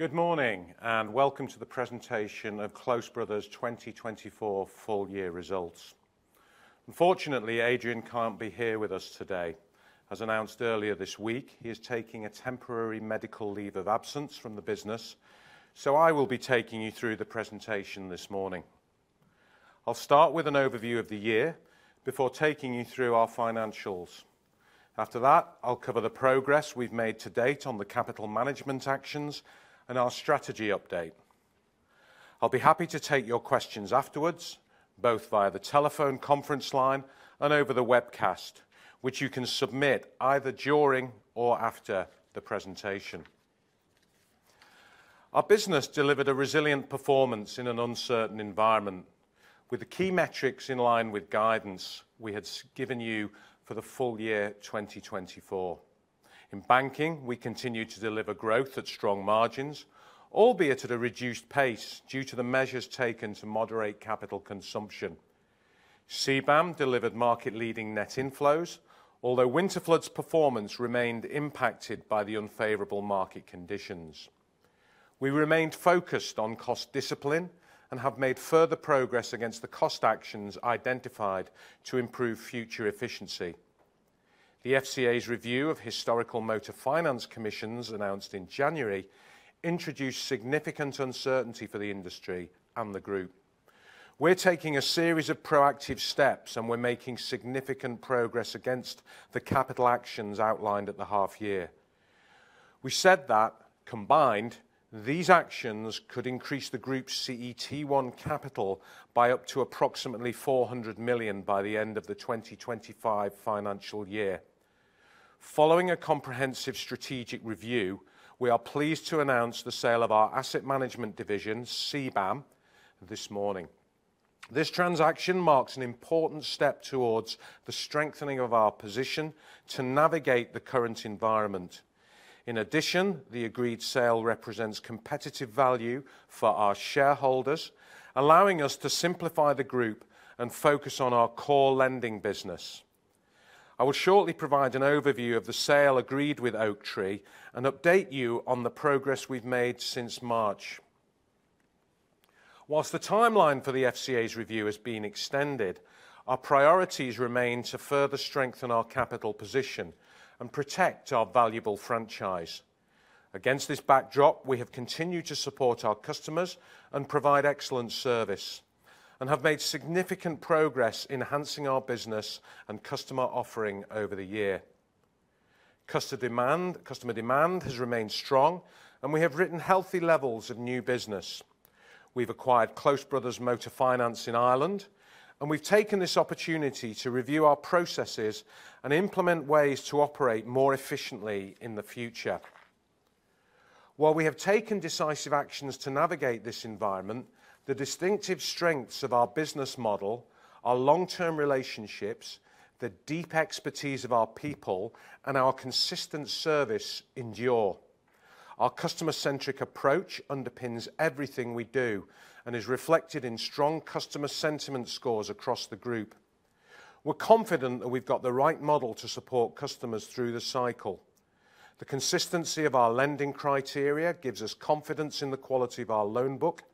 Good morning, and welcome to the presentation of Close Brothers' 2024 full-year results. Unfortunately, Adrian can't be here with us today. As announced earlier this week, he is taking a temporary medical leave of absence from the business, so I will be taking you through the presentation this morning. I'll start with an overview of the year before taking you through our financials. After that, I'll cover the progress we've made to date on the capital management actions and our strategy update. I'll be happy to take your questions afterwards, both via the telephone conference line and over the webcast, which you can submit either during or after the presentation. Our business delivered a resilient performance in an uncertain environment, with the key metrics in line with guidance we had given you for the full year 2024. In banking, we continued to deliver growth at strong margins, albeit at a reduced pace due to the measures taken to moderate capital consumption. CBAM delivered market-leading net inflows, although Winterflood performance remained impacted by the unfavorable market conditions. We remained focused on cost discipline and have made further progress against the cost actions identified to improve future efficiency. The FCA's review of historical motor finance commissions, announced in January, introduced significant uncertainty for the industry and the group. We're taking a series of proactive steps, and we're making significant progress against the capital actions outlined at the half year. We said that, combined, these actions could increase the group's CET1 capital by up to approximately 400 million by the end of the 2025 financial year. Following a comprehensive strategic review, we are pleased to announce the sale of our asset management division, CBAM, this morning. This transaction marks an important step towards the strengthening of our position to navigate the current environment. In addition, the agreed sale represents competitive value for our shareholders, allowing us to simplify the group and focus on our core lending business. I will shortly provide an overview of the sale agreed with Oaktree and update you on the progress we've made since March. While the timeline for the FCA's review has been extended, our priorities remain to further strengthen our capital position and protect our valuable franchise. Against this backdrop, we have continued to support our customers and provide excellent service, and have made significant progress enhancing our business and customer offering over the year. Customer demand has remained strong, and we have written healthy levels of new business. We've acquired Bluestone Motor Finance in Ireland, and we've taken this opportunity to review our processes and implement ways to operate more efficiently in the future. While we have taken decisive actions to navigate this environment, the distinctive strengths of our business model, our long-term relationships, the deep expertise of our people, and our consistent service endure. Our customer-centric approach underpins everything we do and is reflected in strong customer sentiment scores across the group. We're confident that we've got the right model to support customers through the cycle. The consistency of our lending criteria gives us confidence in the quality of our loan book.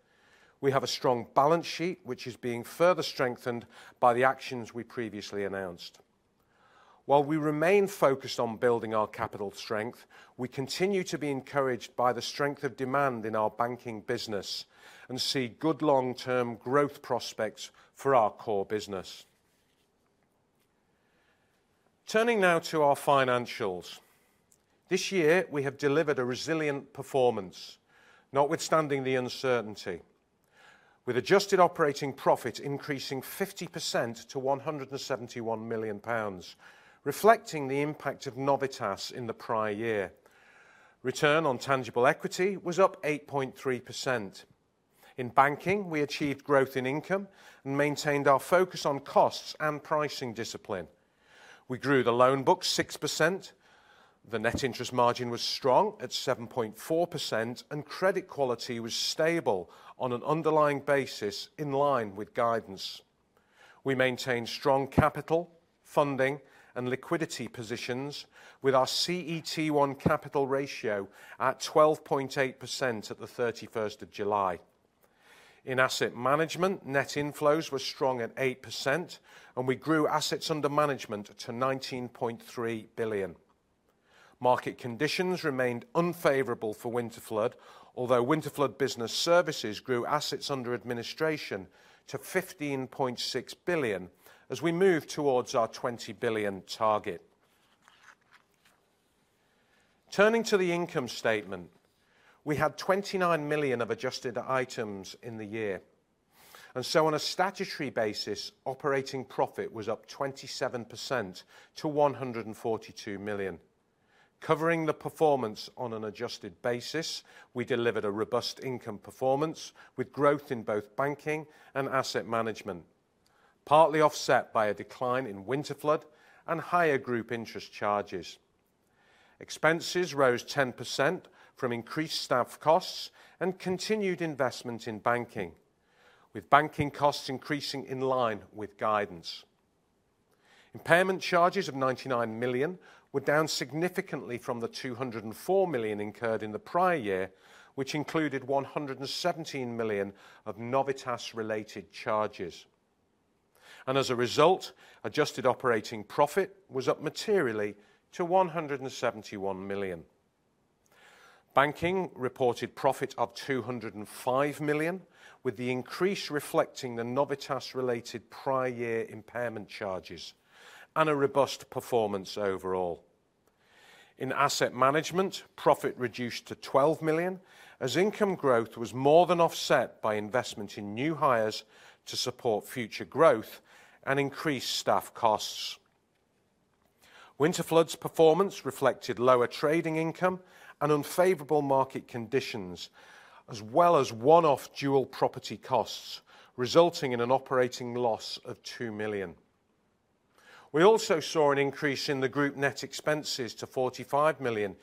We have a strong balance sheet, which is being further strengthened by the actions we previously announced. While we remain focused on building our capital strength, we continue to be encouraged by the strength of demand in our banking business and see good long-term growth prospects for our core business. Turning now to our financials. This year, we have delivered a resilient performance, notwithstanding the uncertainty, with adjusted operating profit increasing 50% to 171 million pounds, reflecting the impact of Novitas in the prior year. Return on tangible equity was up 8.3%. In banking, we achieved growth in income and maintained our focus on costs and pricing discipline. We grew the loan book 6%, the net interest margin was strong at 7.4%, and credit quality was stable on an underlying basis in line with guidance. We maintained strong capital, funding, and liquidity positions with our CET1 capital ratio at 12.8% at the 31st of July. In asset management, net inflows were strong at 8%, and we grew assets under management to 19.3 billion. Market conditions remained unfavorable for Winterflood, although Winterflood Business Services grew assets under administration to 15.6 billion as we move towards our 20 billion target. Turning to the income statement, we had 29 million of adjusted items in the year, and so on a statutory basis, operating profit was up 27% to 142 million. Covering the performance on an adjusted basis, we delivered a robust income performance with growth in both banking and asset management, partly offset by a decline in Winterflood and higher group interest charges. Expenses rose 10% from increased staff costs and continued investment in banking, with banking costs increasing in line with guidance. Impairment charges of 99 million were down significantly from the 204 million incurred in the prior year, which included 117 million of Novitas-related charges, and as a result, adjusted operating profit was up materially to 171 million. Banking reported profit up 205 million, with the increase reflecting the Novitas-related prior year impairment charges and a robust performance overall. In asset management, profit reduced to 12 million, as income growth was more than offset by investment in new hires to support future growth and increased staff costs. Winterflood's performance reflected lower trading income and unfavorable market conditions, as well as one-off dual property costs, resulting in an operating loss of 2 million. We also saw an increase in the group net expenses to 45 million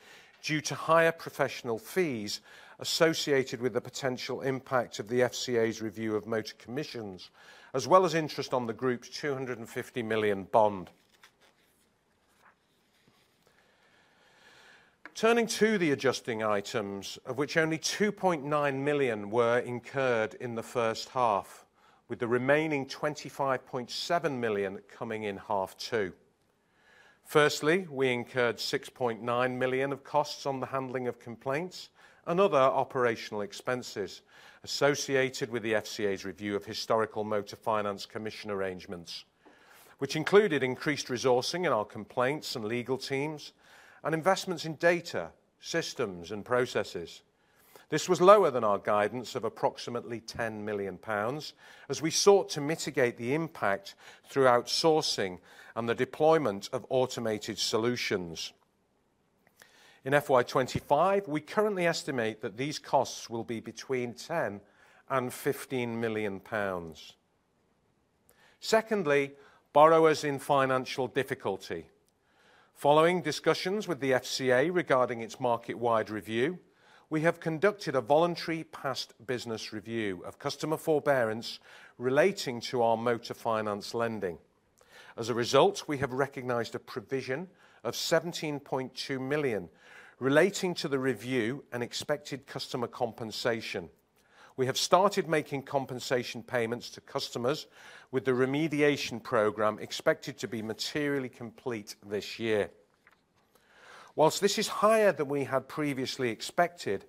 due to higher professional fees associated with the potential impact of the FCA's review of motor commissions, as well as interest on the group's 250 million bond. Turning to the adjusting items, of which only 2.9 million were incurred in the first half, with the remaining 25.7 million coming in half two. Firstly, we incurred 6.9 million of costs on the handling of complaints and other operational expenses associated with the FCA's review of historical motor finance commission arrangements, which included increased resourcing in our complaints and legal teams and investments in data, systems, and processes. This was lower than our guidance of approximately 10 million pounds, as we sought to mitigate the impact through outsourcing and the deployment of automated solutions. In FY 2025, we currently estimate that these costs will be between 10 and 15 million. Secondly, borrowers in financial difficulty. Following discussions with the FCA regarding its market-wide review, we have conducted a voluntary past business review of customer forbearance relating to our motor finance lending. As a result, we have recognized a provision of 17.2 million relating to the review and expected customer compensation. We have started making compensation payments to customers, with the remediation program expected to be materially complete this year. Whilst this is higher than we had previously expected,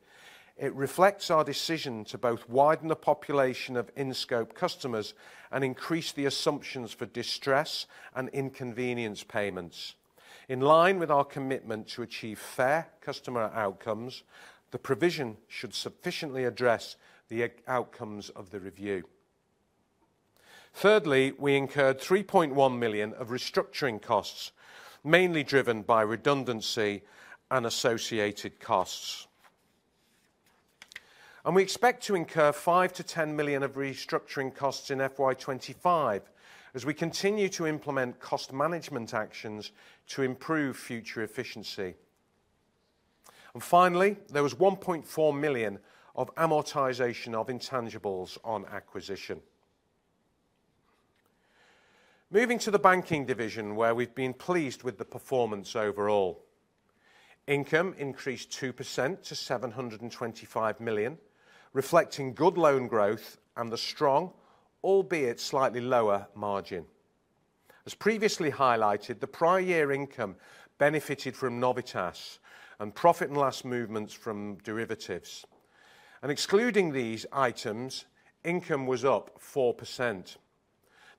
it reflects our decision to both widen the population of in-scope customers and increase the assumptions for distress and inconvenience payments. In line with our commitment to achieve fair customer outcomes, the provision should sufficiently address the outcomes of the review. Thirdly, we incurred 3.1 million of restructuring costs, mainly driven by redundancy and associated costs. And we expect to incur 5-10 million of restructuring costs in FY 2025 as we continue to implement cost management actions to improve future efficiency. And finally, there was 1.4 million of amortization of intangibles on acquisition. Moving to the banking division, where we've been pleased with the performance overall. Income increased 2% to 725 million, reflecting good loan growth and the strong, albeit slightly lower margin. As previously highlighted, the prior year income benefited from Novitas and profit and loss movements from derivatives. And excluding these items, income was up 4%.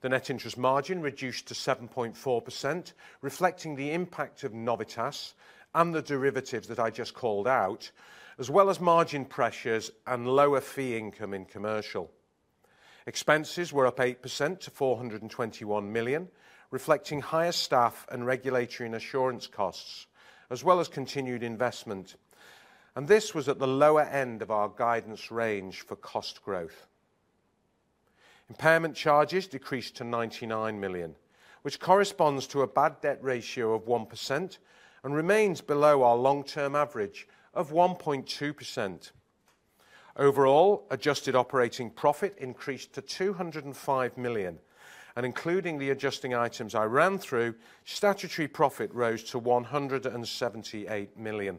The net interest margin reduced to 7.4%, reflecting the impact of Novitas and the derivatives that I just called out, as well as margin pressures and lower fee income in commercial. Expenses were up 8% to 421 million, reflecting higher staff and regulatory and assurance costs, as well as continued investment, and this was at the lower end of our guidance range for cost growth. Impairment charges decreased to 99 million, which corresponds to a bad debt ratio of 1% and remains below our long-term average of 1.2%. Overall, adjusted operating profit increased to 205 million, and including the adjusting items I ran through, statutory profit rose to 178 million.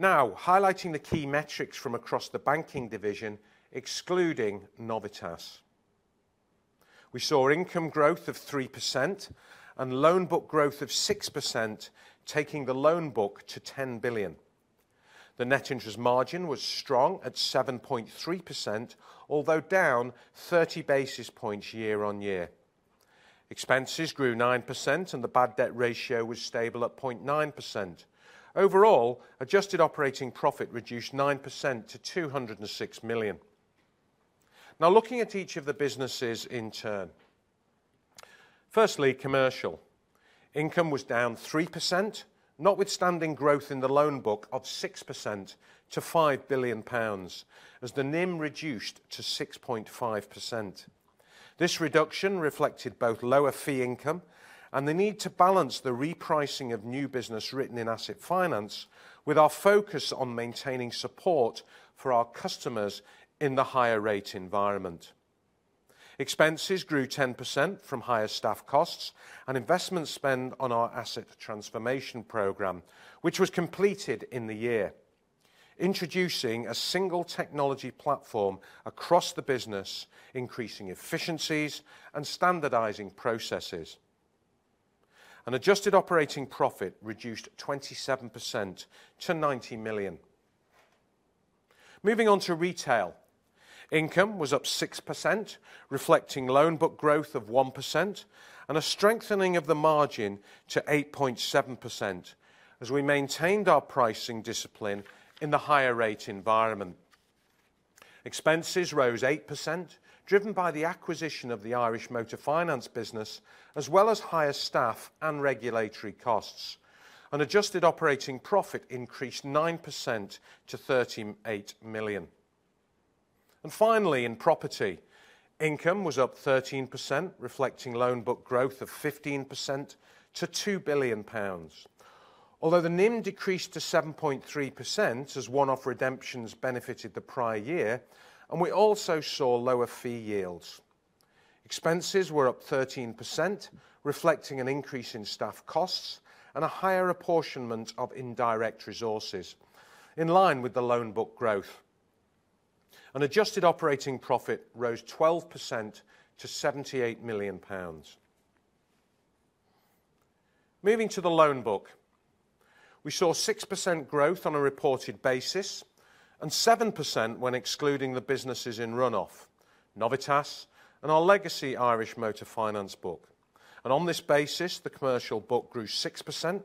Now, highlighting the key metrics from across the banking division, excluding Novitas. We saw income growth of 3% and loan book growth of 6%, taking the loan book to 10 billion. The net interest margin was strong at 7.3%, although down 30 basis points year on year. Expenses grew 9% and the bad debt ratio was stable at 0.9%. Overall, adjusted operating profit reduced 9% to 206 million. Now, looking at each of the businesses in turn. Firstly, commercial. Income was down 3%, notwithstanding growth in the loan book of 6% to 5 billion pounds, as the NIM reduced to 6.5%. This reduction reflected both lower fee income and the need to balance the repricing of new business written in asset finance, with our focus on maintaining support for our customers in the higher rate environment.... Expenses grew 10% from higher staff costs and investment spend on our asset transformation program, which was completed in the year, introducing a single technology platform across the business, increasing efficiencies and standardizing processes, and adjusted operating profit reduced 27% to 90 million. Moving on to retail. Income was up 6%, reflecting loan book growth of 1% and a strengthening of the margin to 8.7%, as we maintained our pricing discipline in the higher rate environment. Expenses rose 8%, driven by the acquisition of the Irish Motor Finance business, as well as higher staff and regulatory costs, and adjusted operating profit increased 9% to 38 million, and finally, in property, income was up 13%, reflecting loan book growth of 15% to 2 billion pounds. Although the NIM decreased to 7.3% as one-off redemptions benefited the prior year, and we also saw lower fee yields. Expenses were up 13%, reflecting an increase in staff costs and a higher apportionment of indirect resources in line with the loan book growth, and adjusted operating profit rose 12% to 78 million pounds. Moving to the loan book. We saw 6% growth on a reported basis and 7% when excluding the businesses in run-off, Novitas, and our legacy Irish Motor Finance book, and on this basis, the commercial book grew 6%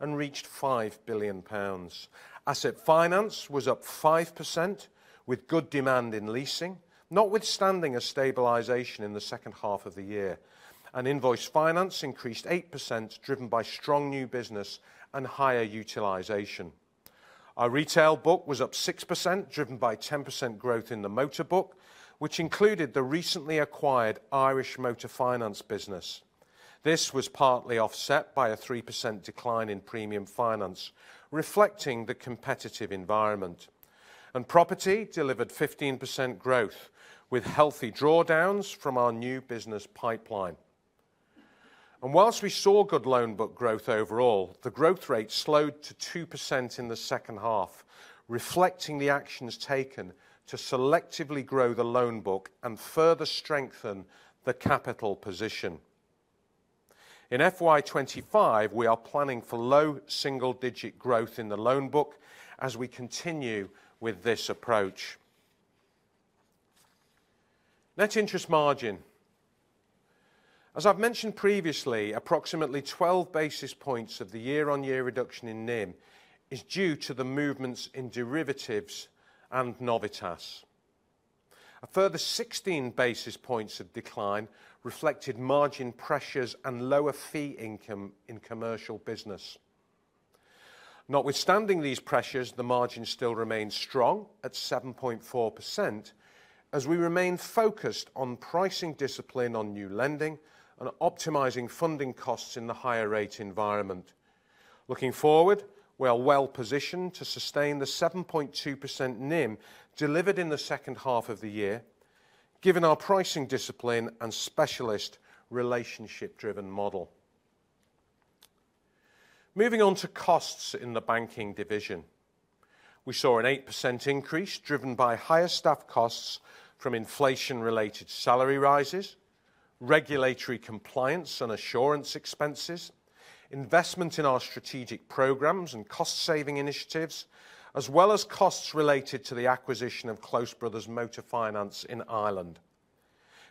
and reached 5 billion pounds. Asset finance was up 5%, with good demand in leasing, notwithstanding a stabilization in the second half of the year, and invoice finance increased 8%, driven by strong new business and higher utilization. Our retail book was up 6%, driven by 10% growth in the motor book, which included the recently acquired Irish Motor Finance business. This was partly offset by a 3% decline in premium finance, reflecting the competitive environment, and property delivered 15% growth, with healthy drawdowns from our new business pipeline. Whilst we saw good loan book growth overall, the growth rate slowed to 2% in the second half, reflecting the actions taken to selectively grow the loan book and further strengthen the capital position. In FY 2025, we are planning for low single-digit growth in the loan book as we continue with this approach. Net interest margin. As I've mentioned previously, approximately twelve basis points of the year-on-year reduction in NIM is due to the movements in derivatives and Novitas. A further sixteen basis points of decline reflected margin pressures and lower fee income in commercial business. Notwithstanding these pressures, the margin still remains strong at 7.4%, as we remain focused on pricing discipline on new lending and optimizing funding costs in the higher rate environment. Looking forward, we are well positioned to sustain the 7.2% NIM delivered in the second half of the year, given our pricing discipline and specialist relationship-driven model. Moving on to costs in the banking division. We saw an 8% increase, driven by higher staff costs from inflation-related salary rises, regulatory compliance and assurance expenses, investment in our strategic programs and cost-saving initiatives, as well as costs related to the acquisition of Close Brothers Motor Finance in Ireland.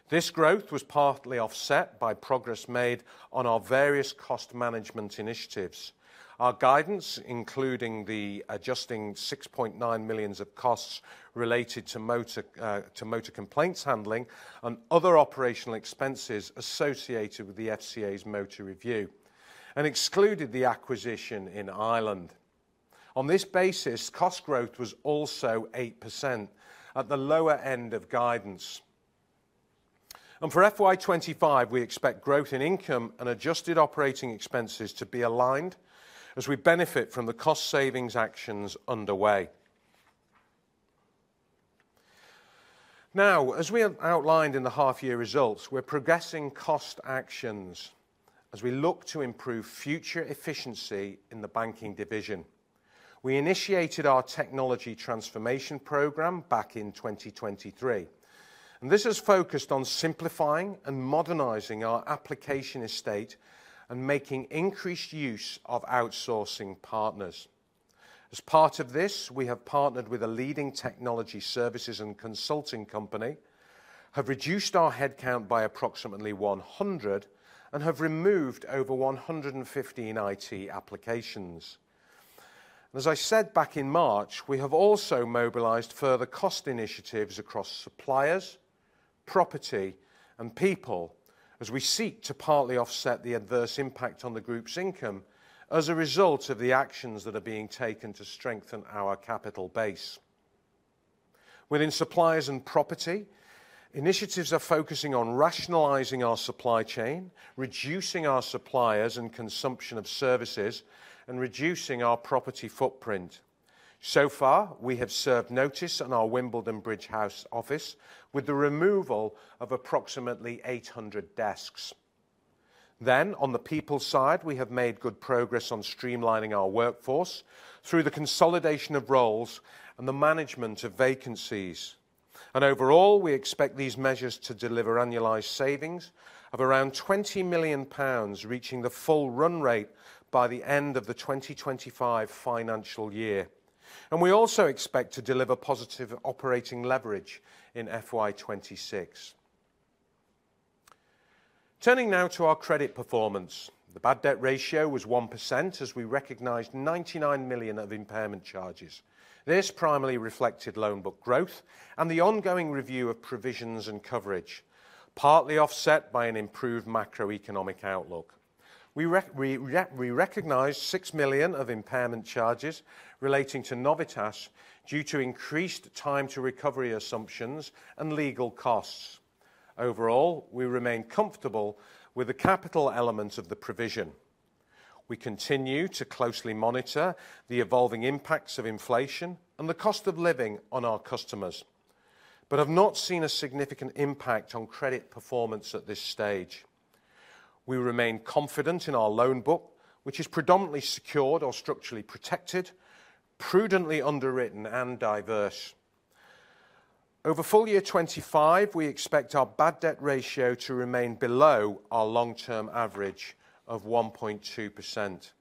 This growth was partly offset by progress made on our various cost management initiatives. Our guidance, including the adjusting 6.9 million of costs related to motor, to motor complaints handling and other operational expenses associated with the FCA's motor review, and excluded the acquisition in Ireland. On this basis, cost growth was also 8% at the lower end of guidance. For FY 2025, we expect growth in income and adjusted operating expenses to be aligned as we benefit from the cost savings actions underway. Now, as we have outlined in the half-year results, we're progressing cost actions as we look to improve future efficiency in the banking division. We initiated our technology transformation program back in 2023, and this is focused on simplifying and modernizing our application estate and making increased use of outsourcing partners. As part of this, we have partnered with a leading technology services and consulting company, have reduced our headcount by approximately 100, and have removed over 115 IT applications. As I said back in March, we have also mobilized further cost initiatives across suppliers, property, and people as we seek to partly offset the adverse impact on the group's income as a result of the actions that are being taken to strengthen our capital base. Within suppliers and property, initiatives are focusing on rationalizing our supply chain, reducing our suppliers and consumption of services, and reducing our property footprint. So far, we have served notice on our Wimbledon Bridge House office with the removal of approximately 800 desks, then on the people side, we have made good progress on streamlining our workforce through the consolidation of roles and the management of vacancies. Overall, we expect these measures to deliver annualized savings of around 20 million pounds, reaching the full run rate by the end of the 2025 financial year. We also expect to deliver positive operating leverage in FY 2026. Turning now to our credit performance. The bad debt ratio was 1%, as we recognized 99 million of impairment charges. This primarily reflected loan book growth and the ongoing review of provisions and coverage, partly offset by an improved macroeconomic outlook. We recognized 6 million of impairment charges relating to Novitas due to increased time to recovery assumptions and legal costs. Overall, we remain comfortable with the capital element of the provision. We continue to closely monitor the evolving impacts of inflation and the cost of living on our customers, but have not seen a significant impact on credit performance at this stage. We remain confident in our loan book, which is predominantly secured or structurally protected, prudently underwritten, and diverse. Over full year 2025, we expect our bad debt ratio to remain below our long-term average of 1.2%.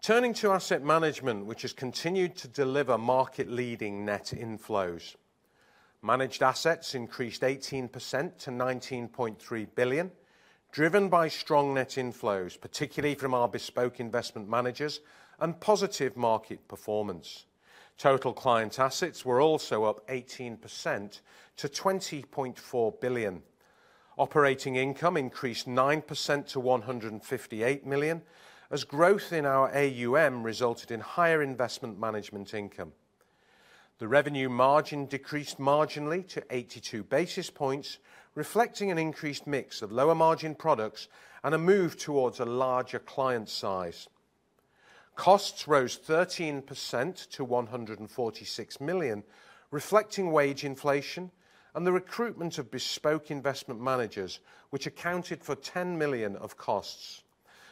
Turning to asset management, which has continued to deliver market-leading net inflows. Managed assets increased 18% to 19.3 billion, driven by strong net inflows, particularly from our bespoke investment managers and positive market performance. Total client assets were also up 18% to 20.4 billion. Operating income increased 9% to 158 million, as growth in our AUM resulted in higher investment management income. The revenue margin decreased marginally to 82 basis points, reflecting an increased mix of lower margin products and a move towards a larger client size. Costs rose 13% to 146 million GBP, reflecting wage inflation and the recruitment of bespoke investment managers, which accounted for 10 million GBP of costs.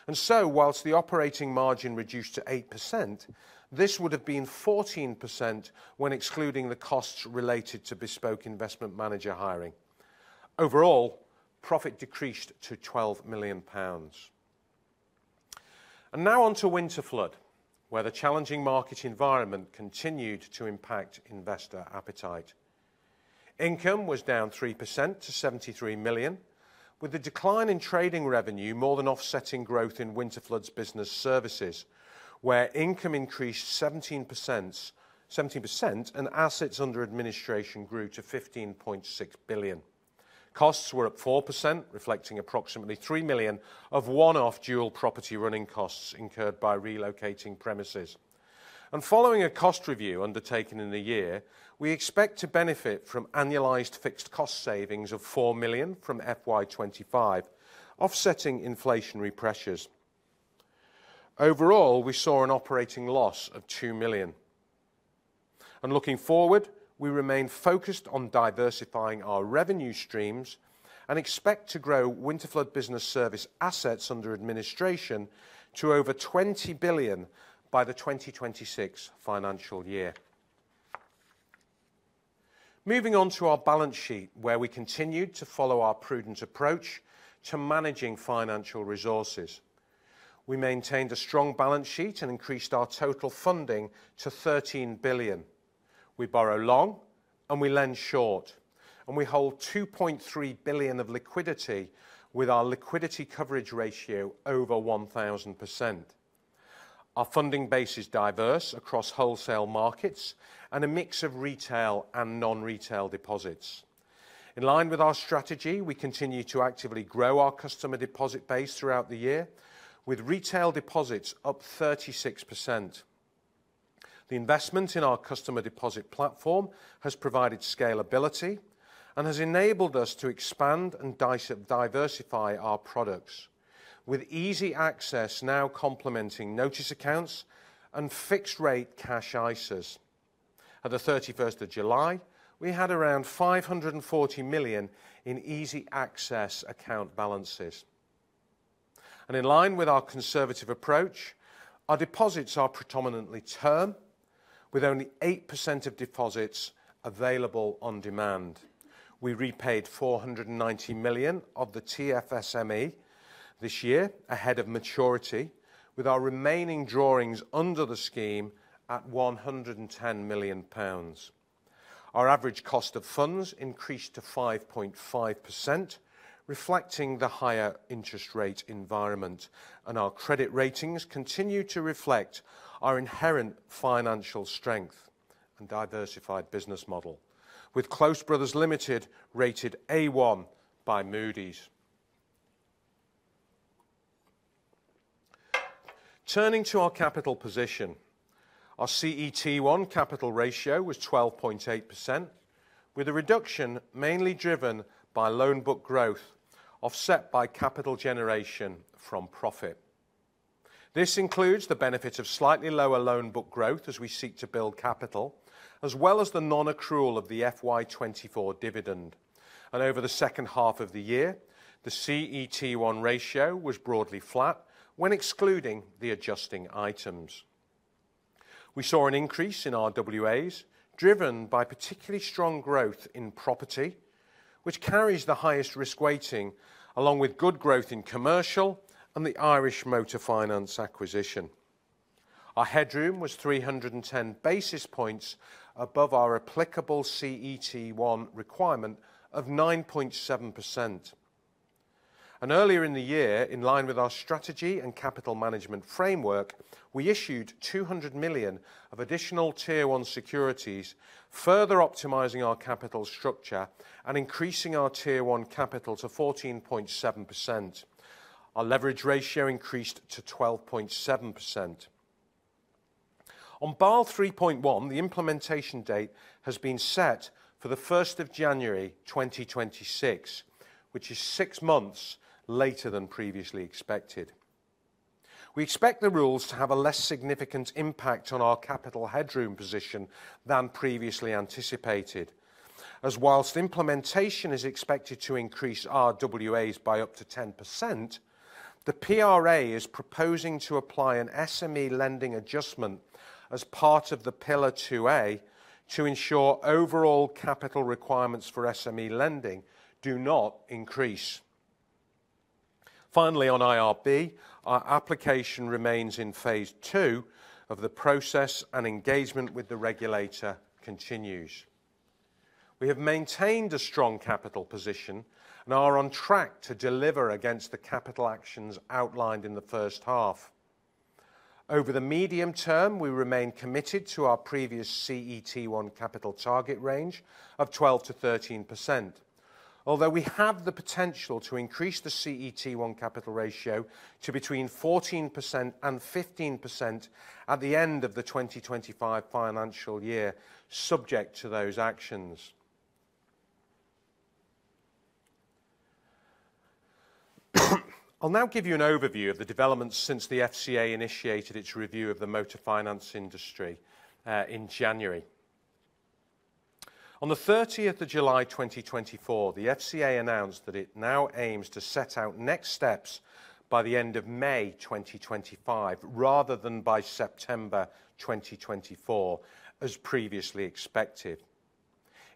While the operating margin reduced to 8%, this would have been 14% when excluding the costs related to bespoke investment manager hiring. Overall, profit decreased to 12 million pounds. Now on to Winterflood, where the challenging market environment continued to impact investor appetite. Income was down 3% to 73 million GBP, with the decline in trading revenue more than offsetting growth in Winterflood's business services, where income increased 17% and assets under administration grew to 15.6 billion GBP. Costs were up 4%, reflecting approximately 3 million GBP of one-off dual property running costs incurred by relocating premises. Following a cost review undertaken in the year, we expect to benefit from annualized fixed cost savings of 4 million from FY 2025, offsetting inflationary pressures. Overall, we saw an operating loss of 2 million. And looking forward, we remain focused on diversifying our revenue streams and expect to grow Winterflood Business Services assets under administration to over 20 billion by the 2026 financial year. Moving on to our balance sheet, where we continued to follow our prudent approach to managing financial resources. We maintained a strong balance sheet and increased our total funding to 13 billion. We borrow long and we lend short, and we hold 2.3 billion of liquidity with our liquidity coverage ratio over 1,000%. Our funding base is diverse across wholesale markets and a mix of retail and non-retail deposits. In line with our strategy, we continue to actively grow our customer deposit base throughout the year, with retail deposits up 36%. The investment in our customer deposit platform has provided scalability and has enabled us to expand and diversify our products, with easy access now complementing notice accounts and fixed rate cash ISAs. At the thirty-first of July, we had around 540 million in easy access account balances. And in line with our conservative approach, our deposits are predominantly term, with only 8% of deposits available on demand. We repaid 490 million of the TFSME this year ahead of maturity, with our remaining drawings under the scheme at 110 million pounds. Our average cost of funds increased to 5.5%, reflecting the higher interest rate environment, and our credit ratings continue to reflect our inherent financial strength and diversified business model, with Close Brothers Limited rated A1 by Moody's. Turning to our capital position, our CET1 capital ratio was 12.8%, with a reduction mainly driven by loan book growth, offset by capital generation from profit. This includes the benefits of slightly lower loan book growth as we seek to build capital, as well as the non-accrual of the FY 2024 dividend. And over the second half of the year, the CET1 ratio was broadly flat when excluding the adjusting items. We saw an increase in RWAs, driven by particularly strong growth in property, which carries the highest risk weighting, along with good growth in commercial and the Irish Motor Finance acquisition. Our headroom was 310 basis points above our applicable CET1 requirement of 9.7%. And earlier in the year, in line with our strategy and capital management framework, we issued 200 million of additional Tier 1 securities, further optimizing our capital structure and increasing our Tier 1 capital to 14.7%. Our leverage ratio increased to 12.7%. On Basel 3.1, the implementation date has been set for the first of January 2026, which is six months later than previously expected. We expect the rules to have a less significant impact on our capital headroom position than previously anticipated. As whilst implementation is expected to increase RWAs by up to 10%, the PRA is proposing to apply an SME lending adjustment as part of the Pillar 2A to ensure overall capital requirements for SME lending do not increase. Finally, on IRB, our application remains in phase 2 of the process, and engagement with the regulator continues. We have maintained a strong capital position and are on track to deliver against the capital actions outlined in the first half. Over the medium term, we remain committed to our previous CET1 capital target range of 12-13%. Although we have the potential to increase the CET1 capital ratio to between 14% and 15% at the end of the 2025 financial year, subject to those actions. I'll now give you an overview of the developments since the FCA initiated its review of the motor finance industry in January. On the thirtieth of July, twenty twenty-four, the FCA announced that it now aims to set out next steps by the end of May twenty twenty-five, rather than by September twenty twenty-four, as previously expected.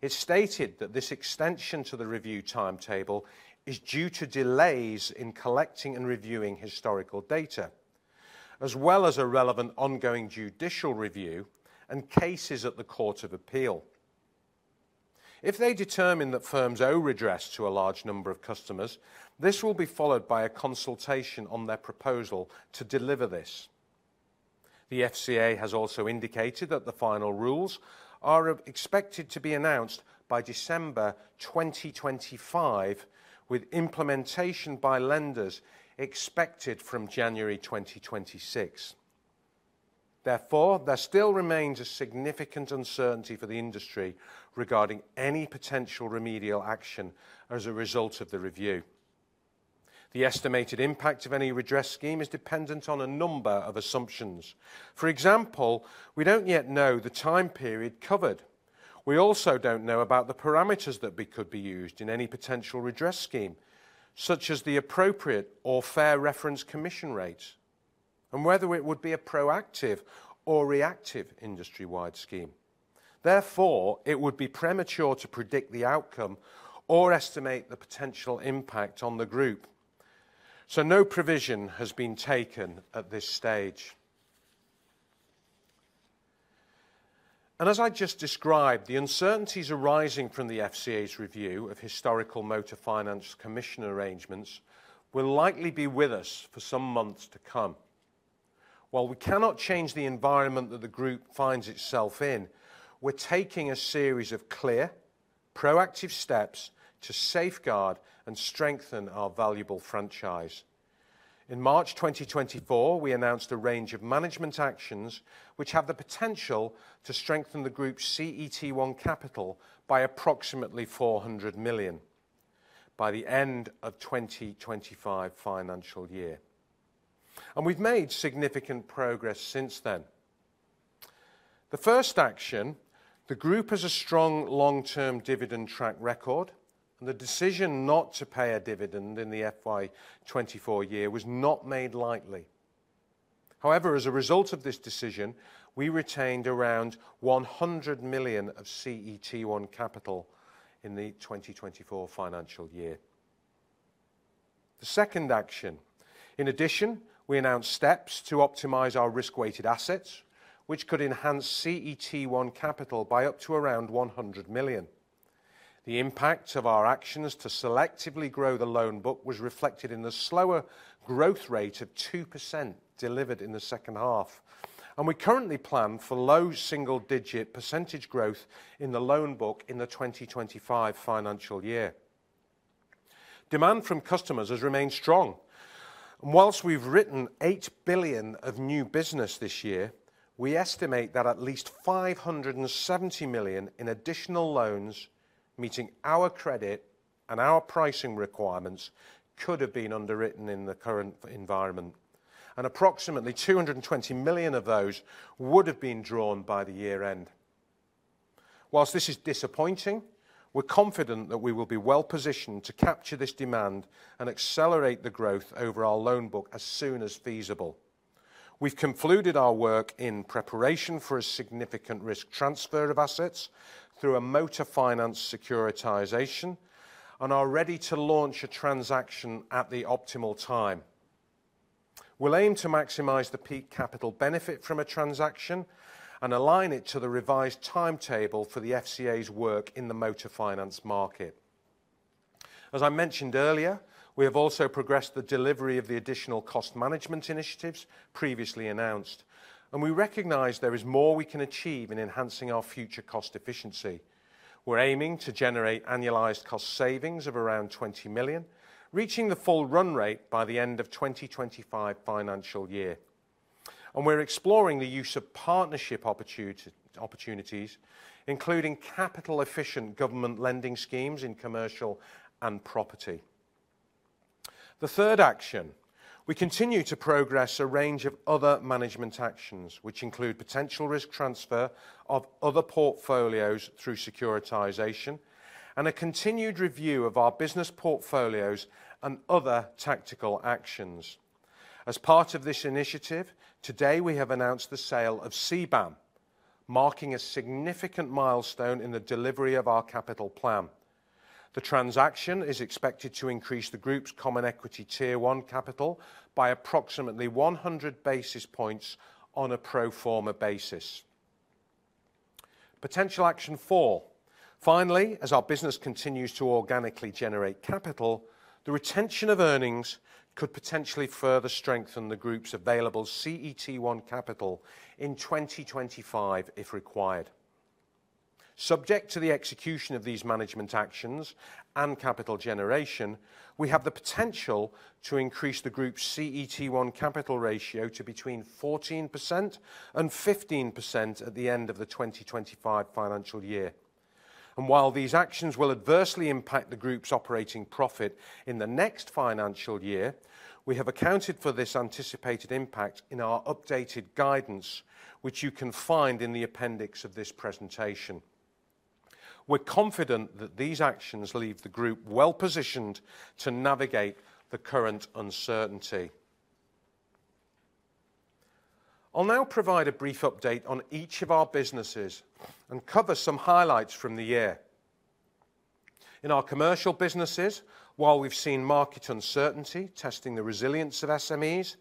It stated that this extension to the review timetable is due to delays in collecting and reviewing historical data, as well as a relevant ongoing judicial review and cases at the Court of Appeal. If they determine that firms owe redress to a large number of customers, this will be followed by a consultation on their proposal to deliver this. The FCA has also indicated that the final rules are expected to be announced by December twenty twenty-five, with implementation by lenders expected from January twenty twenty-six. Therefore, there still remains a significant uncertainty for the industry regarding any potential remedial action as a result of the review. The estimated impact of any redress scheme is dependent on a number of assumptions. For example, we don't yet know the time period covered. We also don't know about the parameters that could be used in any potential redress scheme, such as the appropriate or fair reference commission rate, and whether it would be a proactive or reactive industry-wide scheme. Therefore, it would be premature to predict the outcome or estimate the potential impact on the Group. So no provision has been taken at this stage. And as I just described, the uncertainties arising from the FCA's review of historical motor finance commission arrangements will likely be with us for some months to come. While we cannot change the environment that the Group finds itself in, we're taking a series of clear, proactive steps to safeguard and strengthen our valuable franchise. In March twenty twenty-four, we announced a range of management actions, which have the potential to strengthen the Group's CET1 capital by approximately 400 million by the end of twenty twenty-five financial year. And we've made significant progress since then. The first action, the Group has a strong long-term dividend track record, and the decision not to pay a dividend in the FY twenty-four year was not made lightly. However, as a result of this decision, we retained around 100 million of CET1 capital in the twenty twenty-four financial year. The second action, in addition, we announced steps to optimize our risk-weighted assets, which could enhance CET1 capital by up to around 100 million. The impact of our actions to selectively grow the loan book was reflected in the slower growth rate of 2% delivered in the second half, and we currently plan for low single-digit % growth in the loan book in the 2025 financial year. Demand from customers has remained strong, and whilst we've written 8 billion of new business this year, we estimate that at least 570 million in additional loans, meeting our credit and our pricing requirements could have been underwritten in the current environment, and approximately 220 million of those would have been drawn by the year end. Whilst this is disappointing, we're confident that we will be well-positioned to capture this demand and accelerate the growth over our loan book as soon as feasible. We've concluded our work in preparation for a significant risk transfer of assets through a motor finance securitization and are ready to launch a transaction at the optimal time. We'll aim to maximize the peak capital benefit from a transaction and align it to the revised timetable for the FCA's work in the motor finance market. As I mentioned earlier, we have also progressed the delivery of the additional cost management initiatives previously announced, and we recognize there is more we can achieve in enhancing our future cost efficiency. We're aiming to generate annualized cost savings of around 20 million, reaching the full run rate by the end of 2025 financial year. We're exploring the use of partnership opportunities, including capital efficient government lending schemes in commercial and property. The third action, we continue to progress a range of other management actions, which include potential risk transfer of other portfolios through securitization, and a continued review of our business portfolios and other tactical actions. As part of this initiative, today, we have announced the sale of CBAM, marking a significant milestone in the delivery of our capital plan. The transaction is expected to increase the Group's Common Equity Tier 1 capital by approximately one hundred basis points on a pro forma basis. Potential action four: Finally, as our business continues to organically generate capital, the retention of earnings could potentially further strengthen the Group's available CET1 capital in twenty twenty-five, if required. Subject to the execution of these management actions and capital generation, we have the potential to increase the group's CET1 capital ratio to between 14% and 15% at the end of the 2025 financial year, and while these actions will adversely impact the group's operating profit in the next financial year, we have accounted for this anticipated impact in our updated guidance, which you can find in the appendix of this presentation. We're confident that these actions leave the group well-positioned to navigate the current uncertainty. I'll now provide a brief update on each of our businesses and cover some highlights from the year. In our commercial businesses, while we've seen market uncertainty testing the resilience of SMEs,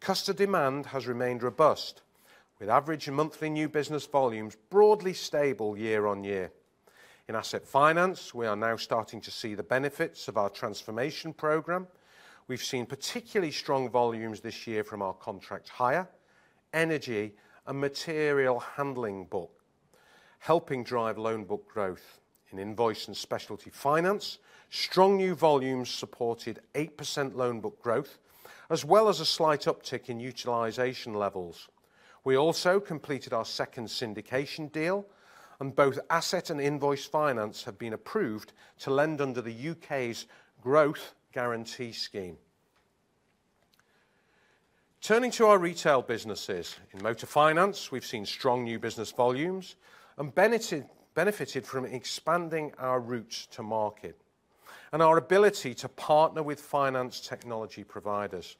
customer demand has remained robust, with average monthly new business volumes broadly stable year on year. In asset finance, we are now starting to see the benefits of our transformation program. We've seen particularly strong volumes this year from our contract hire, energy and material handling book, helping drive loan book growth. In invoice and specialty finance, strong new volumes supported 8% loan book growth, as well as a slight uptick in utilization levels. We also completed our second syndication deal, and both asset and invoice finance have been approved to lend under the UK's Growth Guarantee Scheme. Turning to our retail businesses. In motor finance, we've seen strong new business volumes and benefited from expanding our routes to market and our ability to partner with finance technology providers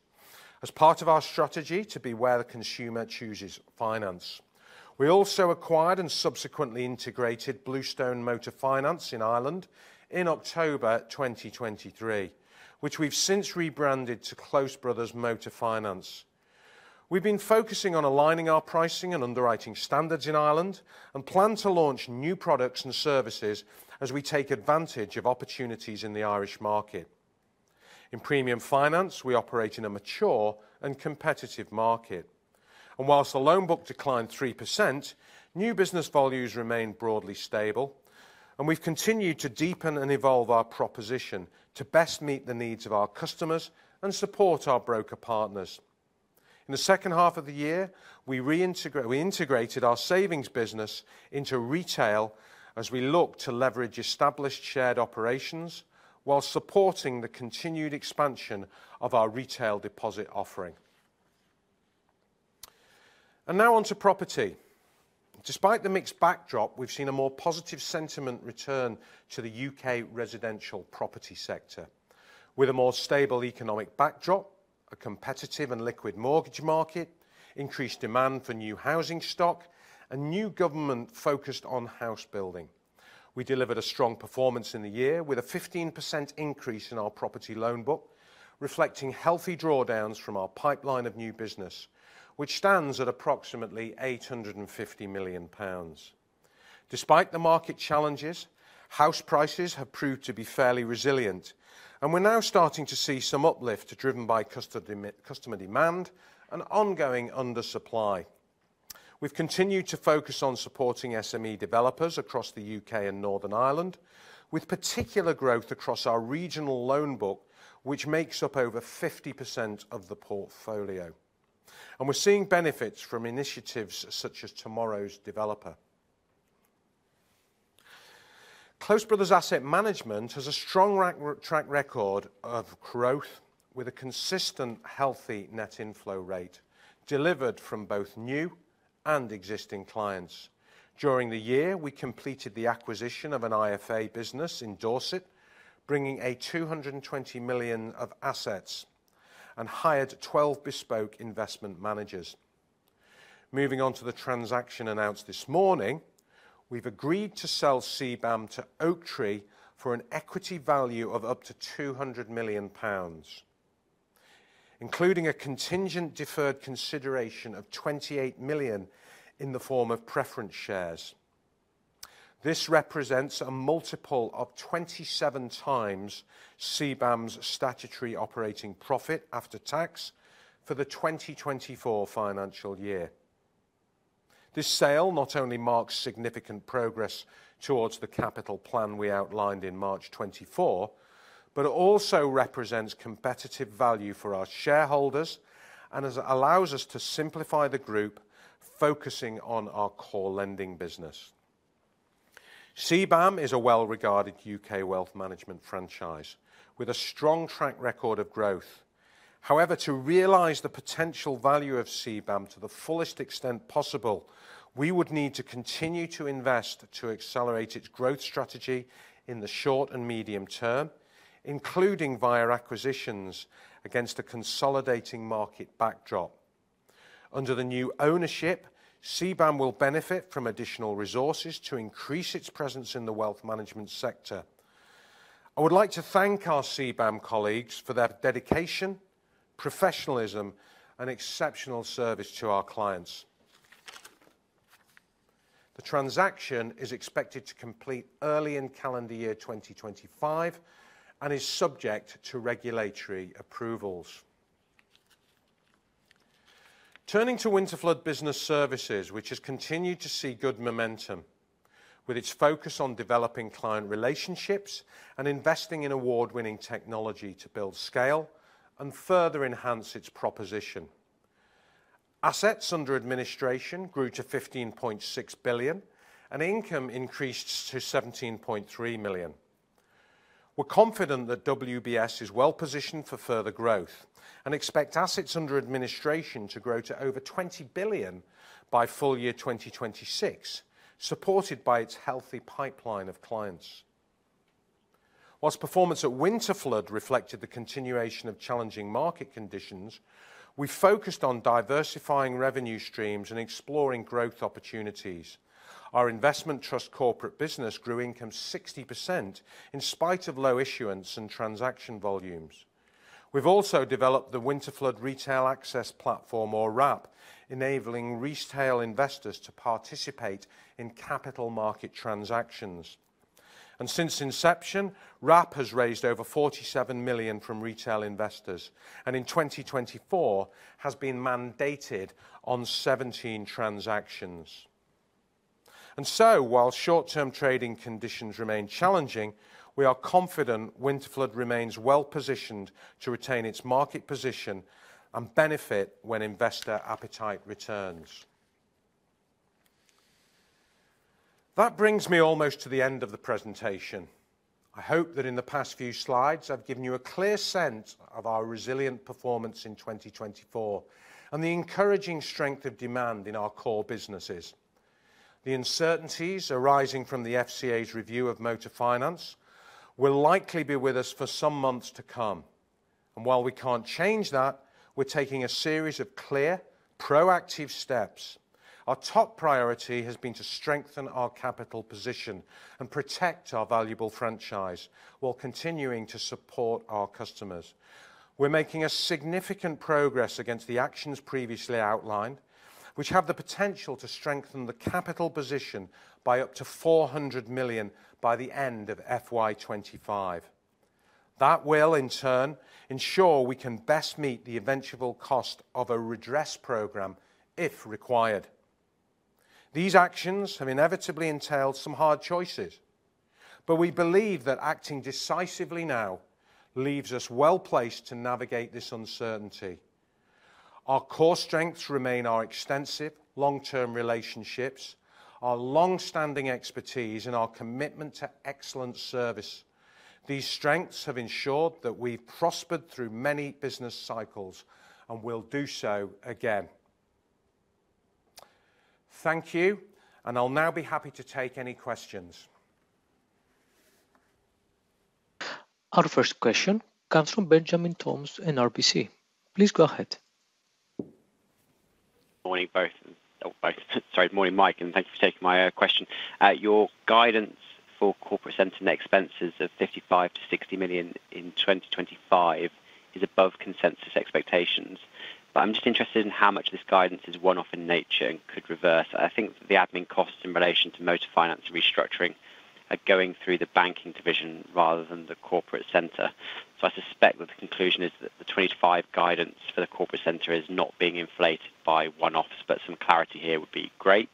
as part of our strategy to be where the consumer chooses finance. We also acquired and subsequently integrated Bluestone Motor Finance in Ireland in October 2023, which we've since rebranded to Close Brothers Motor Finance. We've been focusing on aligning our pricing and underwriting standards in Ireland, and plan to launch new products and services as we take advantage of opportunities in the Irish market. In premium finance, we operate in a mature and competitive market, and while the loan book declined 3%, new business volumes remained broadly stable, and we've continued to deepen and evolve our proposition to best meet the needs of our customers and support our broker partners. In the second half of the year, we integrated our savings business into retail as we look to leverage established shared operations while supporting the continued expansion of our retail deposit offering. And now on to property. Despite the mixed backdrop, we've seen a more positive sentiment return to the U.K. residential property sector with a more stable economic backdrop, a competitive and liquid mortgage market, increased demand for new housing stock, and new government focused on house building. We delivered a strong performance in the year with a 15% increase in our property loan book, reflecting healthy drawdowns from our pipeline of new business, which stands at approximately 850 million pounds. Despite the market challenges, house prices have proved to be fairly resilient, and we're now starting to see some uplift driven by customer demand and ongoing undersupply. We've continued to focus on supporting SME developers across the U.K. and Northern Ireland, with particular growth across our regional loan book, which makes up over 50% of the portfolio, and we're seeing benefits from initiatives such as Tomorrow's Developer. Close Brothers Asset Management has a strong track record of growth with a consistent, healthy net inflow rate, delivered from both new and existing clients. During the year, we completed the acquisition of an IFA business in Dorset, bringing 220 million of assets, and hired 12 bespoke investment managers. Moving on to the transaction announced this morning, we've agreed to sell CBAM to Oaktree for an equity value of up to 200 million pounds, including a contingent deferred consideration of 28 million in the form of preference shares. This represents a multiple of 27 times CBAM's statutory operating profit after tax for the 2024 financial year. This sale not only marks significant progress towards the capital plan we outlined in March 2024, but it also represents competitive value for our shareholders and as it allows us to simplify the group, focusing on our core lending business. CBAM is a well-regarded UK wealth management franchise with a strong track record of growth. However, to realize the potential value of CBAM to the fullest extent possible, we would need to continue to invest to accelerate its growth strategy in the short and medium term, including via acquisitions against a consolidating market backdrop. Under the new ownership, CBAM will benefit from additional resources to increase its presence in the wealth management sector. I would like to thank our CBAM colleagues for their dedication, professionalism, and exceptional service to our clients. The transaction is expected to complete early in calendar year 2025, and is subject to regulatory approvals. Turning to Winterflood Business Services, which has continued to see good momentum with its focus on developing client relationships and investing in award-winning technology to build scale and further enhance its proposition. Assets under administration grew to 15.6 billion, and income increased to 17.3 million. We're confident that WBS is well-positioned for further growth and expect assets under administration to grow to over 20 billion by full year 2026, supported by its healthy pipeline of clients. While performance at Winterflood reflected the continuation of challenging market conditions, we focused on diversifying revenue streams and exploring growth opportunities. Our investment trust corporate business grew income 60% in spite of low issuance and transaction volumes. We've also developed the Winterflood Retail Access Platform, or WRAP, enabling retail investors to participate in capital market transactions. Since inception, WRAP has raised over 47 million from retail investors, and in 2024, has been mandated on 17 transactions. So, while short-term trading conditions remain challenging, we are confident Winterflood remains well-positioned to retain its market position and benefit when investor appetite returns. That brings me almost to the end of the presentation. I hope that in the past few slides, I've given you a clear sense of our resilient performance in 2024 and the encouraging strength of demand in our core businesses. The uncertainties arising from the FCA's review of motor finance will likely be with us for some months to come, and while we can't change that, we're taking a series of clear, proactive steps. Our top priority has been to strengthen our capital position and protect our valuable franchise while continuing to support our customers. We're making a significant progress against the actions previously outlined, which have the potential to strengthen the capital position by up to 400 million by the end of FY 2025. That will, in turn, ensure we can best meet the eventual cost of a redress program, if required. These actions have inevitably entailed some hard choices, but we believe that acting decisively now leaves us well placed to navigate this uncertainty. Our core strengths remain our extensive long-term relationships, our long-standing expertise, and our commitment to excellent service. These strengths have ensured that we've prospered through many business cycles and will do so again. Thank you, and I'll now be happy to take any questions. Our first question comes from Benjamin Toms in RBC. Please go ahead. Morning, both. Sorry. Morning, Mike, and thank you for taking my question. Your guidance for corporate center net expenses of 55-60 million in 2025 is above consensus expectations. But I'm just interested in how much this guidance is one-off in nature and could reverse. I think the admin costs in relation to motor finance restructuring are going through the banking division rather than the corporate center. So I suspect that the conclusion is that the 2025 guidance for the corporate center is not being inflated by one-offs, but some clarity here would be great.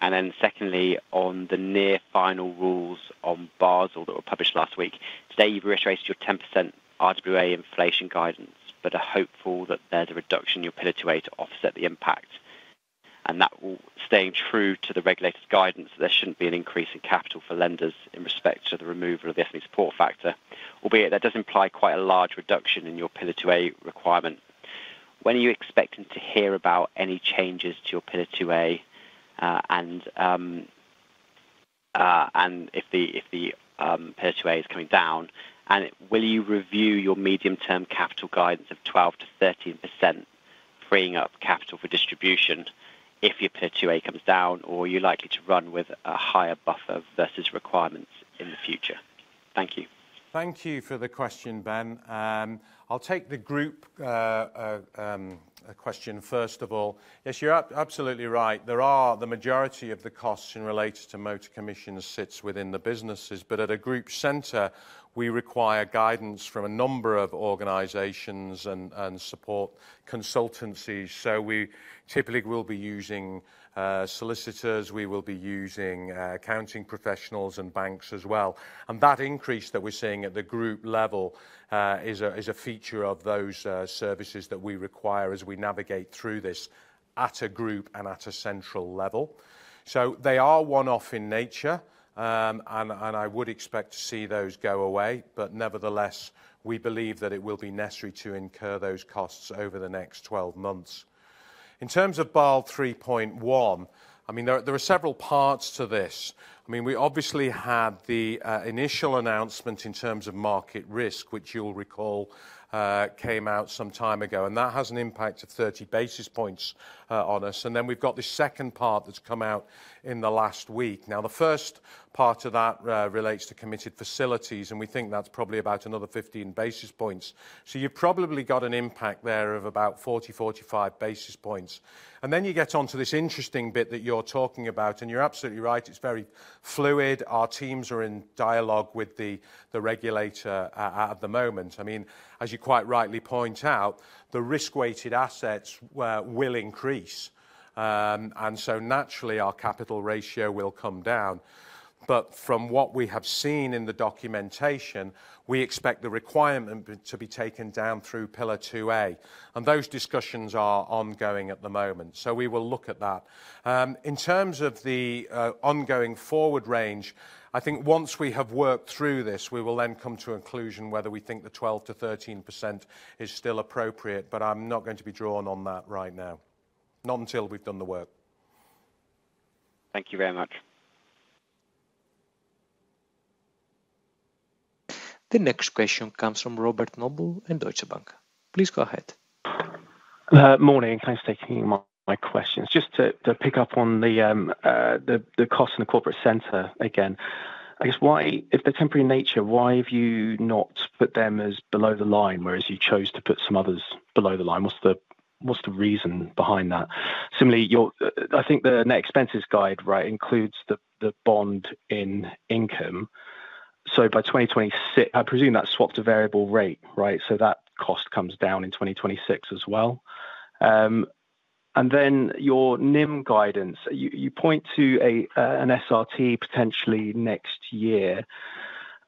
Then, secondly, on the near final rules on Basel that were published last week. Today, you've reiterated your 10% RWA inflation guidance, but are hopeful that there's a reduction in your Pillar 2A to offset the impact. That will, staying true to the regulator's guidance, there shouldn't be an increase in capital for lenders in respect to the removal of the SME support factor, albeit that does imply quite a large reduction in your Pillar 2A requirement. When are you expecting to hear about any changes to your Pillar 2A? And if the Pillar 2A is coming down, will you review your medium-term capital guidance of 12%-13%, freeing up capital for distribution if your Pillar 2A comes down, or are you likely to run with a higher buffer versus requirements in the future? Thank you. Thank you for the question, Ben. I'll take the group question first of all. Yes, you're absolutely right. There are the majority of the costs in relation to motor commissions sits within the businesses, but at a group center, we require guidance from a number of organizations and support consultancies. So we typically will be using solicitors, we will be using accounting professionals and banks as well. And that increase that we're seeing at the group level is a feature of those services that we require as we navigate through this at a group and at a central level. So they are one-off in nature, and I would expect to see those go away, but nevertheless, we believe that it will be necessary to incur those costs over the next twelve months. In terms of Basel 3.1, I mean, there are several parts to this. I mean, we obviously had the initial announcement in terms of market risk, which you'll recall, came out some time ago, and that has an impact of 30 basis points on us. And then we've got the second part that's come out in the last week. Now, the first part of that relates to committed facilities, and we think that's probably about another 15 basis points. So you've probably got an impact there of about 40-45 basis points. And then you get onto this interesting bit that you're talking about, and you're absolutely right, it's very fluid. Our teams are in dialogue with the regulator at the moment. I mean, as you quite rightly point out, the risk-weighted assets will increase. And so naturally, our capital ratio will come down. But from what we have seen in the documentation, we expect the requirement to be taken down through Pillar 2A, and those discussions are ongoing at the moment. So we will look at that. In terms of the ongoing forward range, I think once we have worked through this, we will then come to a conclusion whether we think the 12%-13% is still appropriate, but I'm not going to be drawn on that right now. Not until we've done the work. Thank you very much. The next question comes from Robert Noble in Deutsche Bank. Please go ahead. Morning, and thanks for taking my questions. Just to pick up on the cost in the corporate center again. I guess, why if they're temporary in nature, why have you not put them as below the line, whereas you chose to put some others below the line? What's the reason behind that? Similarly, your I think the net expenses guide, right, includes the bond in income. So by 2026, I presume that swapped a variable rate, right? So that cost comes down in 2026 as well. And then your NIM guidance, you point to an SRT potentially next year,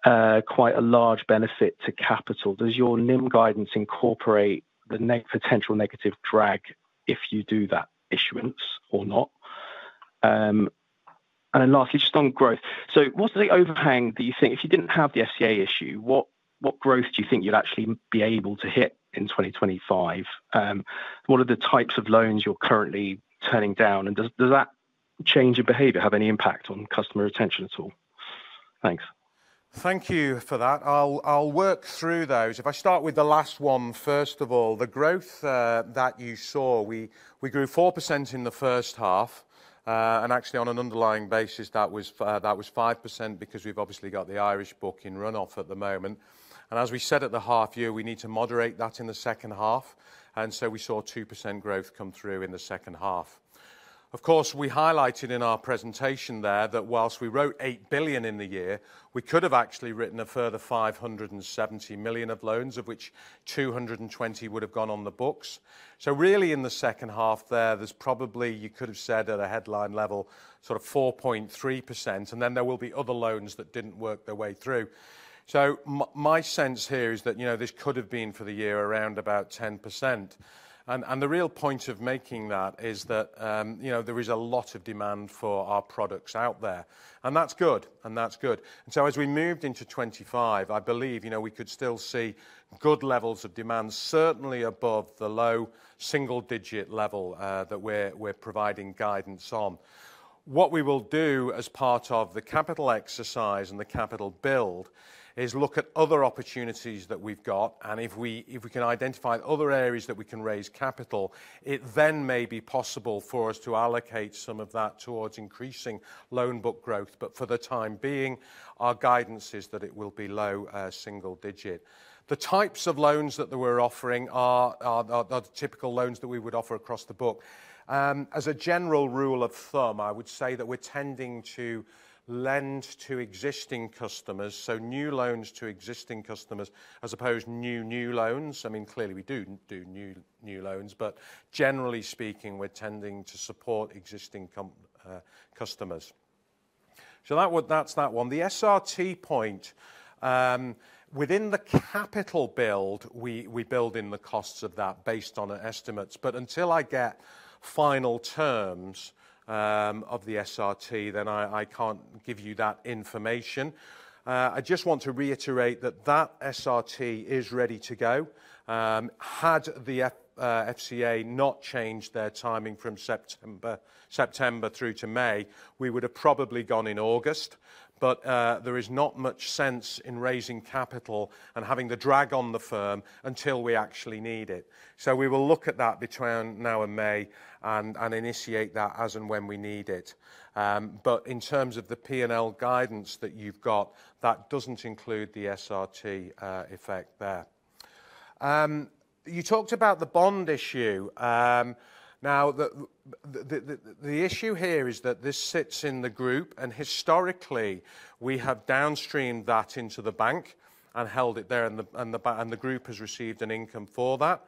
quite a large benefit to capital. Does your NIM guidance incorporate the potential negative drag if you do that issuance or not? And then lastly, just on growth. What's the overhang that you think? If you didn't have the FCA issue, what growth do you think you'd actually be able to hit in 2025? What are the types of loans you're currently turning down, and does that change in behavior have any impact on customer retention at all? Thanks. Thank you for that. I'll work through those. If I start with the last one, first of all, the growth that you saw, we grew 4% in the first half, and actually on an underlying basis, that was 5% because we've obviously got the Irish book in run-off at the moment. And as we said at the half year, we need to moderate that in the second half, and so we saw 2% growth come through in the second half. Of course, we highlighted in our presentation there that whilst we wrote 8 billion in the year, we could have actually written a further 570 million of loans, of which 220 million would have gone on the books. So really, in the second half there, there's probably, you could have said at a headline level, sort of 4.3%, and then there will be other loans that didn't work their way through. So my sense here is that, you know, this could have been for the year around about 10%. And the real point of making that is that, you know, there is a lot of demand for our products out there, and that's good, and that's good. So as we moved into 2025, I believe, you know, we could still see good levels of demand, certainly above the low single digit level, that we're providing guidance on. What we will do as part of the capital exercise and the capital build is look at other opportunities that we've got, and if we can identify other areas that we can raise capital, it then may be possible for us to allocate some of that towards increasing loan book growth, but for the time being, our guidance is that it will be low single digit. The types of loans that we're offering are the typical loans that we would offer across the book. As a general rule of thumb, I would say that we're tending to lend to existing customers, so new loans to existing customers, as opposed new loans. I mean, clearly, we do new loans, but generally speaking, we're tending to support existing customers, so that would, that's that one. The SRT point, within the capital build, we build in the costs of that based on the estimates. But until I get final terms of the SRT, then I can't give you that information. I just want to reiterate that SRT is ready to go. Had the FCA not changed their timing from September through to May, we would have probably gone in August, but there is not much sense in raising capital and having the drag on the firm until we actually need it. So we will look at that between now and May and initiate that as and when we need it. But in terms of the P&L guidance that you've got, that doesn't include the SRT effect there. You talked about the bond issue. Now, the issue here is that this sits in the group, and historically, we have downstreamed that into the bank and held it there, and the bank and the group has received an income for that.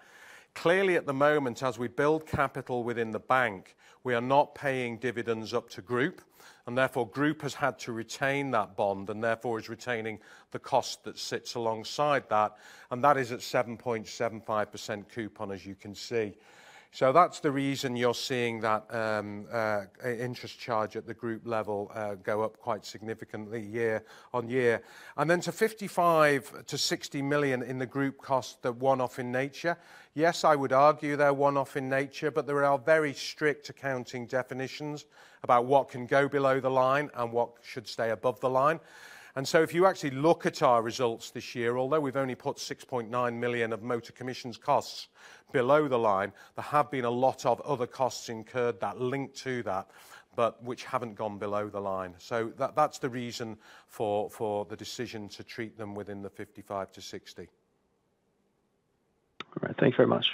Clearly, at the moment, as we build capital within the bank, we are not paying dividends up to group, and therefore, group has had to retain that bond, and therefore, is retaining the cost that sits alongside that, and that is at 7.75% coupon as you can see. So that's the reason you're seeing that, interest charge at the group level, go up quite significantly year on year. And then to 55-60 million in the group cost, the one-off in nature. Yes, I would argue they're one-off in nature, but there are very strict accounting definitions about what can go below the line and what should stay above the line. And so if you actually look at our results this year, although we've only put 6.9 million of motor commissions costs below the line, there have been a lot of other costs incurred that link to that, but which haven't gone below the line. So that's the reason for the decision to treat them within the 55-60. All right. Thank you very much.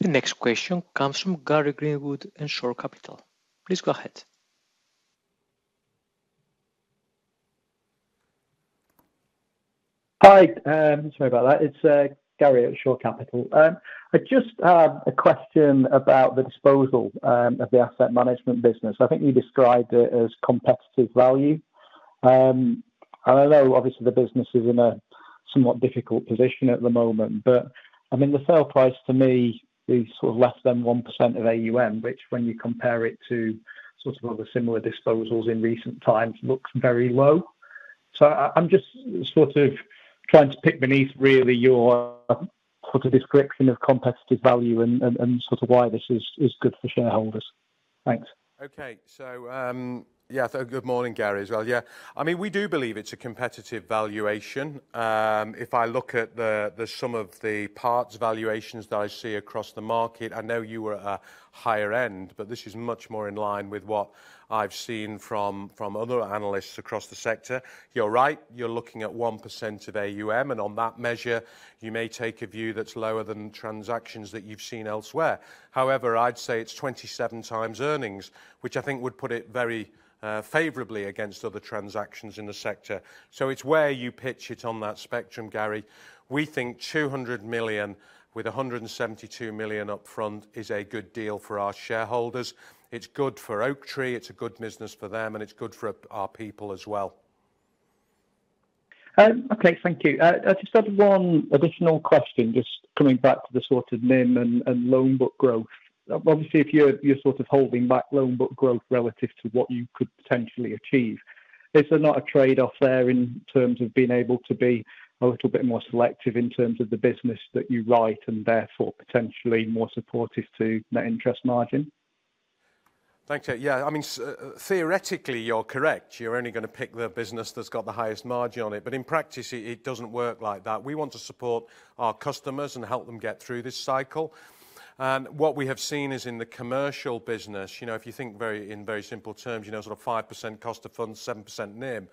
The next question comes from Gary Greenwood in Shore Capital. Please go ahead. Hi, sorry about that. It's Gary at Shore Capital. I just have a question about the disposal of the asset management business. I think you described it as competitive value, and I know obviously the business is in a somewhat difficult position at the moment, but I mean, the sale price to me is sort of less than 1% of AUM, which when you compare it to sort of other similar disposals in recent times, looks very low. So I'm just sort of trying to pick beneath really your sort of description of competitive value and sort of why this is good for shareholders. Thanks. Okay. So, yeah, so good morning, Gary, as well. Yeah. I mean, we do believe it's a competitive valuation. If I look at the sum of the parts valuations that I see across the market, I know you were at a higher end, but this is much more in line with what I've seen from other analysts across the sector. You're right, you're looking at 1% of AUM, and on that measure, you may take a view that's lower than transactions that you've seen elsewhere. However, I'd say it's 27 times earnings, which I think would put it very favorably against other transactions in the sector. So it's where you pitch it on that spectrum, Gary. We think 200 million with 172 million upfront is a good deal for our shareholders. It's good for Oaktree, it's a good business for them, and it's good for our people as well. Okay, thank you. I just had one additional question, just coming back to the sort of NIM and loan book growth. Obviously, if you're sort of holding back loan book growth relative to what you could potentially achieve, is there not a trade-off there in terms of being able to be a little bit more selective in terms of the business that you write and therefore potentially more supportive to net interest margin? Thanks. Yeah, I mean, theoretically, you're correct. You're only gonna pick the business that's got the highest margin on it, but in practice, it doesn't work like that. We want to support our customers and help them get through this cycle, and what we have seen is in the commercial business, you know, if you think in very simple terms, you know, sort of 5% cost of funds, 7% NIM,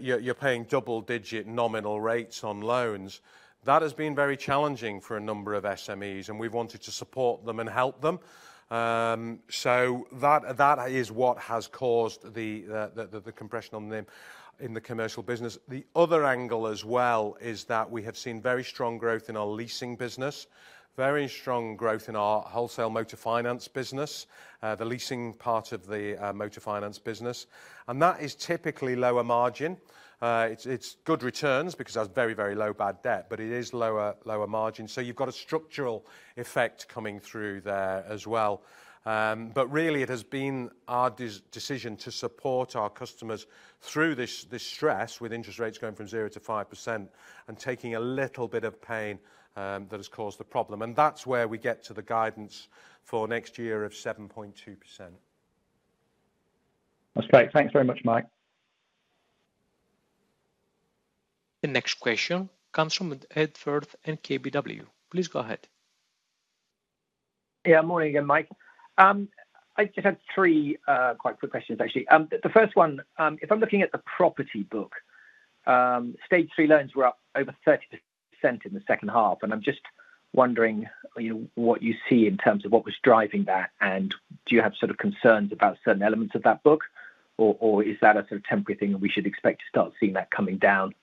you're paying double-digit nominal rates on loans. That has been very challenging for a number of SMEs, and we've wanted to support them and help them, so that is what has caused the compression on NIM in the commercial business. The other angle as well is that we have seen very strong growth in our leasing business, very strong growth in our wholesale motor finance business, the leasing part of the motor finance business, and that is typically lower margin. It's good returns because that's very, very low bad debt, but it is lower, lower margin, so you've got a structural effect coming through there as well, but really, it has been our decision to support our customers through this stress with interest rates going from 0%-5% and taking a little bit of pain that has caused the problem, and that's where we get to the guidance for next year of 7.2%. That's great. Thanks very much, Mike. The next question comes from Edward in KBW. Please go ahead. Yeah, morning again, Mike. I just had three, quite quick questions, actually. The first one, if I'm looking at the property book, Stage 3 loans were up over 30% in the second half, and I'm just wondering, you know, what you see in terms of what was driving that, and do you have sort of concerns about certain elements of that book?... or, or is that a sort of temporary thing, and we should expect to start seeing that coming down,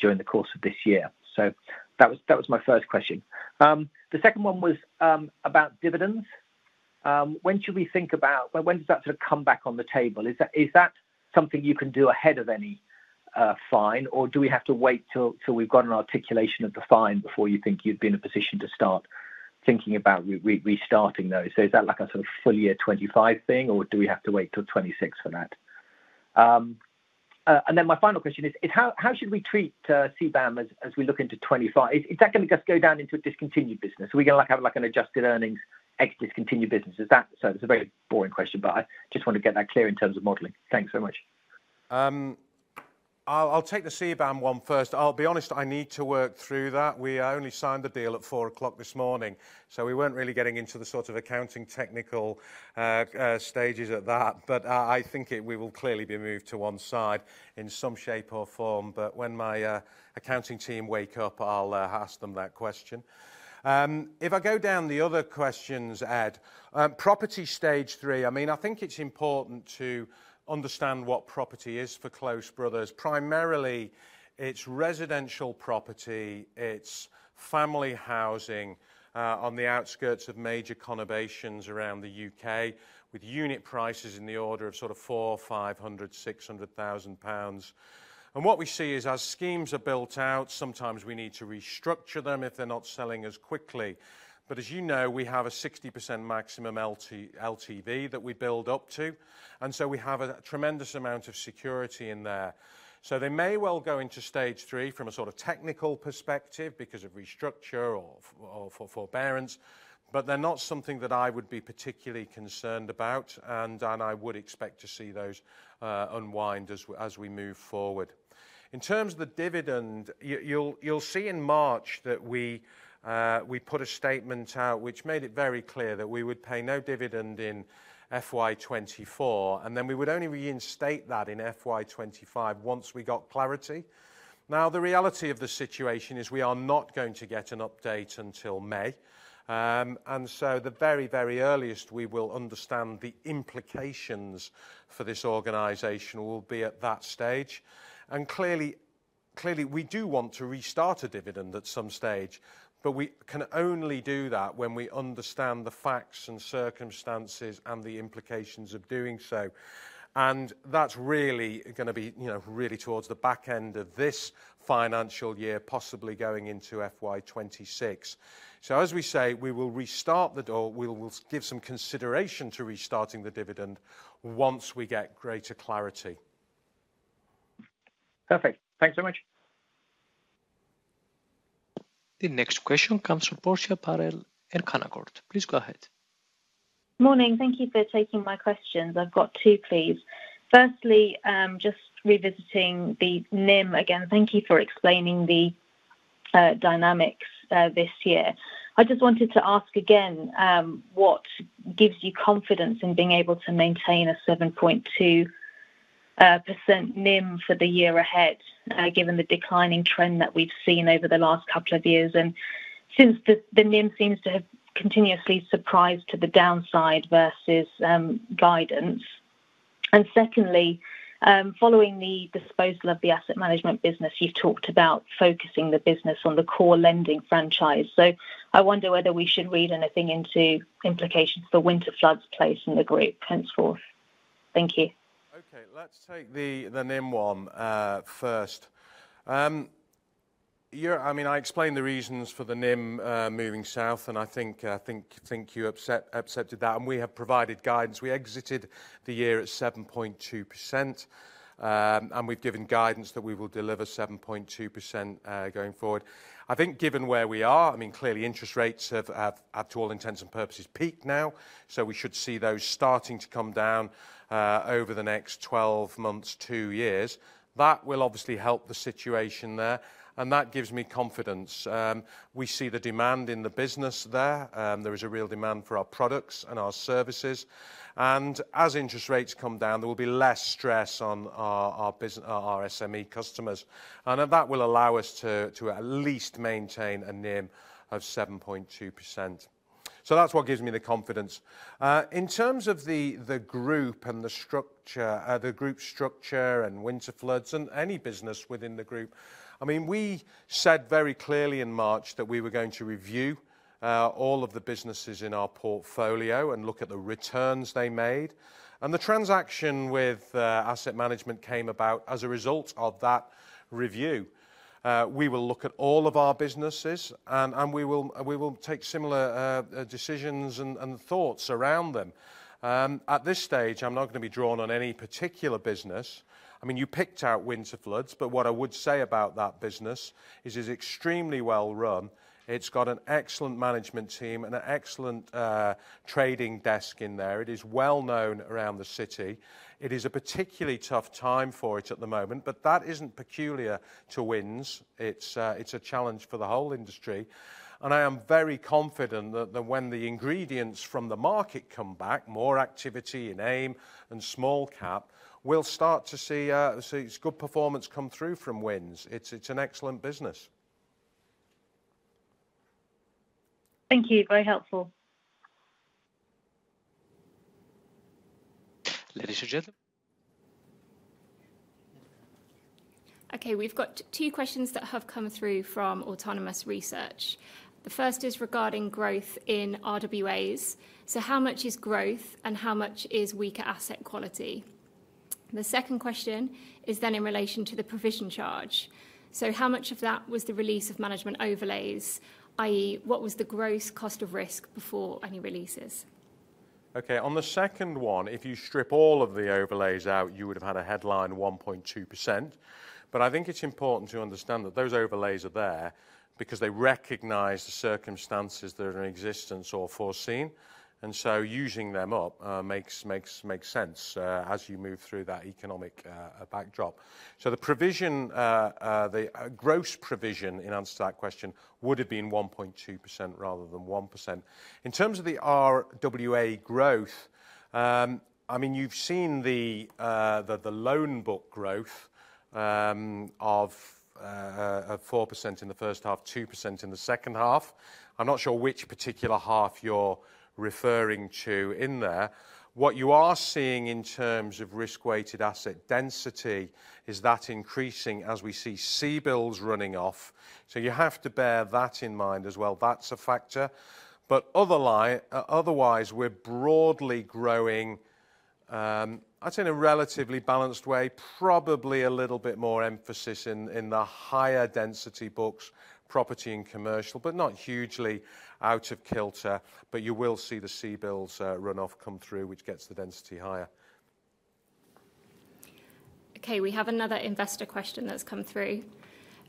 during the course of this year? So that was, that was my first question. The second one was, about dividends. When should we think about... When, when does that sort of come back on the table? Is that something you can do ahead of any fine, or do we have to wait till we've got an articulation of the fine before you think you'd be in a position to start thinking about restarting those? So is that like a sort of full year 2025 thing, or do we have to wait till 2026 for that? And then my final question is: how should we treat CBAM as we look into 2025? Is that going to just go down into a discontinued business? Are we gonna have, like, an adjusted earnings ex discontinued business? Is that so... It's a very boring question, but I just want to get that clear in terms of modeling. Thanks so much. I'll take the CBAM one first. I'll be honest, I need to work through that. We only signed the deal at 4:00 A.M. this morning, so we weren't really getting into the sort of accounting technical stages at that. But I think it will clearly be moved to one side in some shape or form. But when my accounting team wake up, I'll ask them that question. If I go down the other questions, Ed, property stage three, I mean, I think it's important to understand what property is for Close Brothers. Primarily, it's residential property, it's family housing, on the outskirts of major conurbations around the U.K., with unit prices in the order of sort of 400, 500, 600 thousand pounds. What we see is, as schemes are built out, sometimes we need to restructure them if they're not selling as quickly. But as you know, we have a 60% maximum LTV that we build up to, and so we have a tremendous amount of security in there. So they may well go into Stage 3 from a sort of technical perspective because of restructure or forbearance, but they're not something that I would be particularly concerned about, and I would expect to see those unwind as we move forward. In terms of the dividend, you'll see in March that we put a statement out which made it very clear that we would pay no dividend in FY 2024, and then we would only reinstate that in FY 2025 once we got clarity. Now, the reality of the situation is we are not going to get an update until May, and so the very, very earliest we will understand the implications for this organization will be at that stage. And clearly, clearly, we do want to restart a dividend at some stage, but we can only do that when we understand the facts and circumstances and the implications of doing so. And that's really gonna be, you know, really towards the back end of this financial year, possibly going into FY 2026. So as we say, we will restart. We will give some consideration to restarting the dividend once we get greater clarity. Perfect. Thanks so much. The next question comes from Portia Patel at Canaccord. Please go ahead. Morning. Thank you for taking my questions. I've got two, please. Firstly, just revisiting the NIM again. Thank you for explaining the dynamics this year. I just wanted to ask again, what gives you confidence in being able to maintain a 7.2% NIM for the year ahead, given the declining trend that we've seen over the last couple of years, and since the NIM seems to have continuously surprised to the downside versus guidance? And secondly, following the disposal of the asset management business, you've talked about focusing the business on the core lending franchise. So I wonder whether we should read anything into implications for Winterflood's place in the group henceforth. Thank you. Okay, let's take the NIM one first. Yeah, I mean, I explained the reasons for the NIM moving south, and I think you accepted that, and we have provided guidance. We exited the year at 7.2%, and we've given guidance that we will deliver 7.2% going forward. I think given where we are, I mean, clearly interest rates have, to all intents and purposes, peaked now, so we should see those starting to come down over the next 12 months, two years. That will obviously help the situation there, and that gives me confidence. We see the demand in the business there. There is a real demand for our products and our services. As interest rates come down, there will be less stress on our SME customers. That will allow us to at least maintain a NIM of 7.2%. That's what gives me the confidence. In terms of the group and the structure, the group structure and Winterflood and any business within the group, I mean, we said very clearly in March that we were going to review all of the businesses in our portfolio and look at the returns they made. The transaction with asset management came about as a result of that review. We will look at all of our businesses, and we will take similar decisions and thoughts around them. At this stage, I'm not going to be drawn on any particular business. I mean, you picked out Winterflood's, but what I would say about that business is it's extremely well-run. It's got an excellent management team and an excellent trading desk in there. It is well known around the city. It is a particularly tough time for it at the moment, but that isn't peculiar to Winterflood's. It's a challenge for the whole industry, and I am very confident that when the ingredients from the market come back, more activity in AIM and small cap, we'll start to see its good performance come through from Winterflood's. It's an excellent business. ... Thank you. Very helpful. Ladies and gentlemen. Okay, we've got two questions that have come through from Autonomous Research. The first is regarding growth in RWAs. So how much is growth, and how much is weaker asset quality? The second question is then in relation to the provision charge. So how much of that was the release of management overlays, i.e., what was the gross cost of risk before any releases? Okay, on the second one, if you strip all of the overlays out, you would have had a headline 1.2%. But I think it's important to understand that those overlays are there because they recognize the circumstances that are in existence or foreseen, and so using them up makes sense as you move through that economic backdrop. So the provision, the gross provision, in answer to that question, would have been 1.2% rather than 1%. In terms of the RWA growth, I mean, you've seen the loan book growth of 4% in the first half, 2% in the second half. I'm not sure which particular half you're referring to in there. What you are seeing in terms of risk-weighted asset density is that increasing as we see CBILS running off, so you have to bear that in mind as well. That's a factor. But otherwise, we're broadly growing, I'd say in a relatively balanced way, probably a little bit more emphasis in the higher density books, property and commercial, but not hugely out of kilter. But you will see the CBILS run-off come through, which gets the density higher. Okay, we have another investor question that's come through.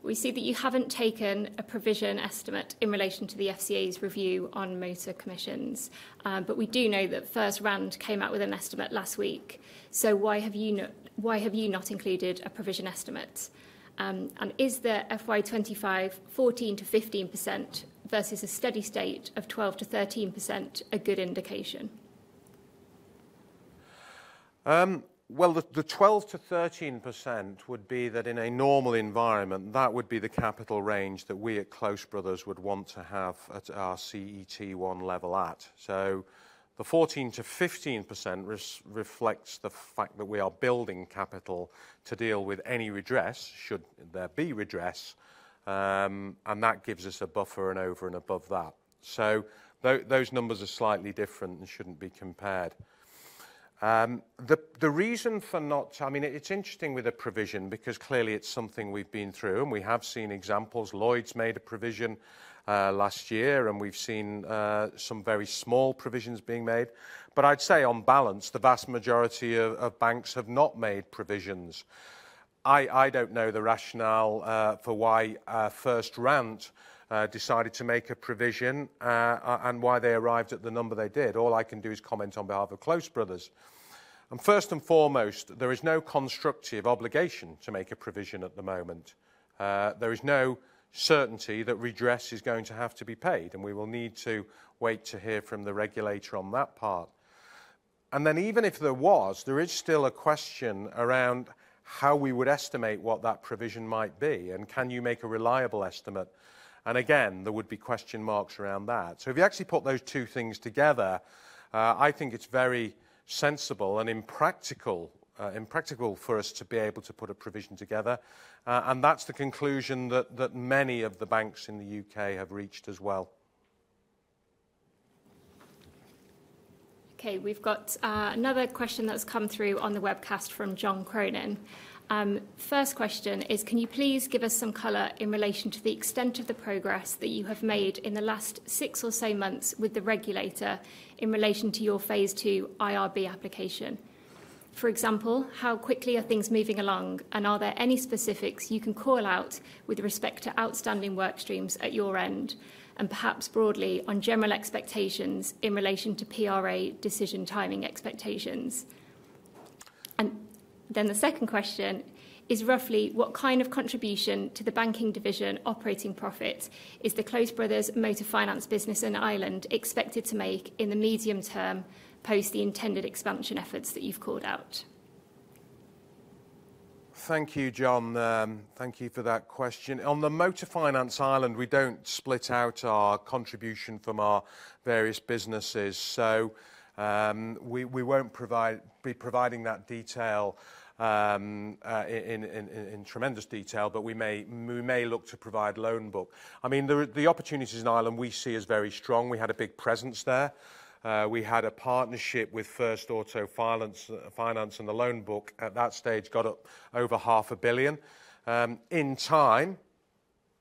We see that you haven't taken a provision estimate in relation to the FCA's review on motor commissions. But we do know that FirstRand came out with an estimate last week. So why have you not included a provision estimate? And is the FY 2025, 14-15% versus a steady state of 12-13% a good indication? Well, the 12%-13% would be that in a normal environment, that would be the capital range that we at Close Brothers would want to have at our CET1 level at. So the 14%-15% reflects the fact that we are building capital to deal with any redress, should there be redress, and that gives us a buffer and over and above that. So those numbers are slightly different and shouldn't be compared. The reason for not... I mean, it's interesting with a provision because clearly it's something we've been through, and we have seen examples. Lloyds made a provision last year, and we've seen some very small provisions being made. But I'd say on balance, the vast majority of banks have not made provisions. I don't know the rationale for why FirstRand decided to make a provision, and why they arrived at the number they did. All I can do is comment on behalf of Close Brothers, and first and foremost, there is no constructive obligation to make a provision at the moment. There is no certainty that redress is going to have to be paid, and we will need to wait to hear from the regulator on that part, and then even if there was, there is still a question around how we would estimate what that provision might be, and can you make a reliable estimate? And again, there would be question marks around that, so if you actually put those two things together, I think it's very sensible and impractical for us to be able to put a provision together. and that's the conclusion that many of the banks in the U.K. have reached as well. Okay, we've got another question that's come through on the webcast from John Cronin. First question is, can you please give us some color in relation to the extent of the progress that you have made in the last six or so months with the regulator in relation to your phase two IRB application? For example, how quickly are things moving along, and are there any specifics you can call out with respect to outstanding work streams at your end, and perhaps broadly, on general expectations in relation to PRA decision timing expectations? And then the second question is, roughly what kind of contribution to the banking division operating profit is the Close Brothers Motor Finance business in Ireland expected to make in the medium term, post the intended expansion efforts that you've called out? Thank you, John. Thank you for that question. On the motor finance in Ireland, we don't split out our contribution from our various businesses, so, we won't provide-- be providing that detail in tremendous detail, but we may, we may look to provide loan book. I mean, the opportunities in Ireland we see as very strong. We had a big presence there. We had a partnership with First Auto Finance, and the loan book at that stage got up over 500 million. In time,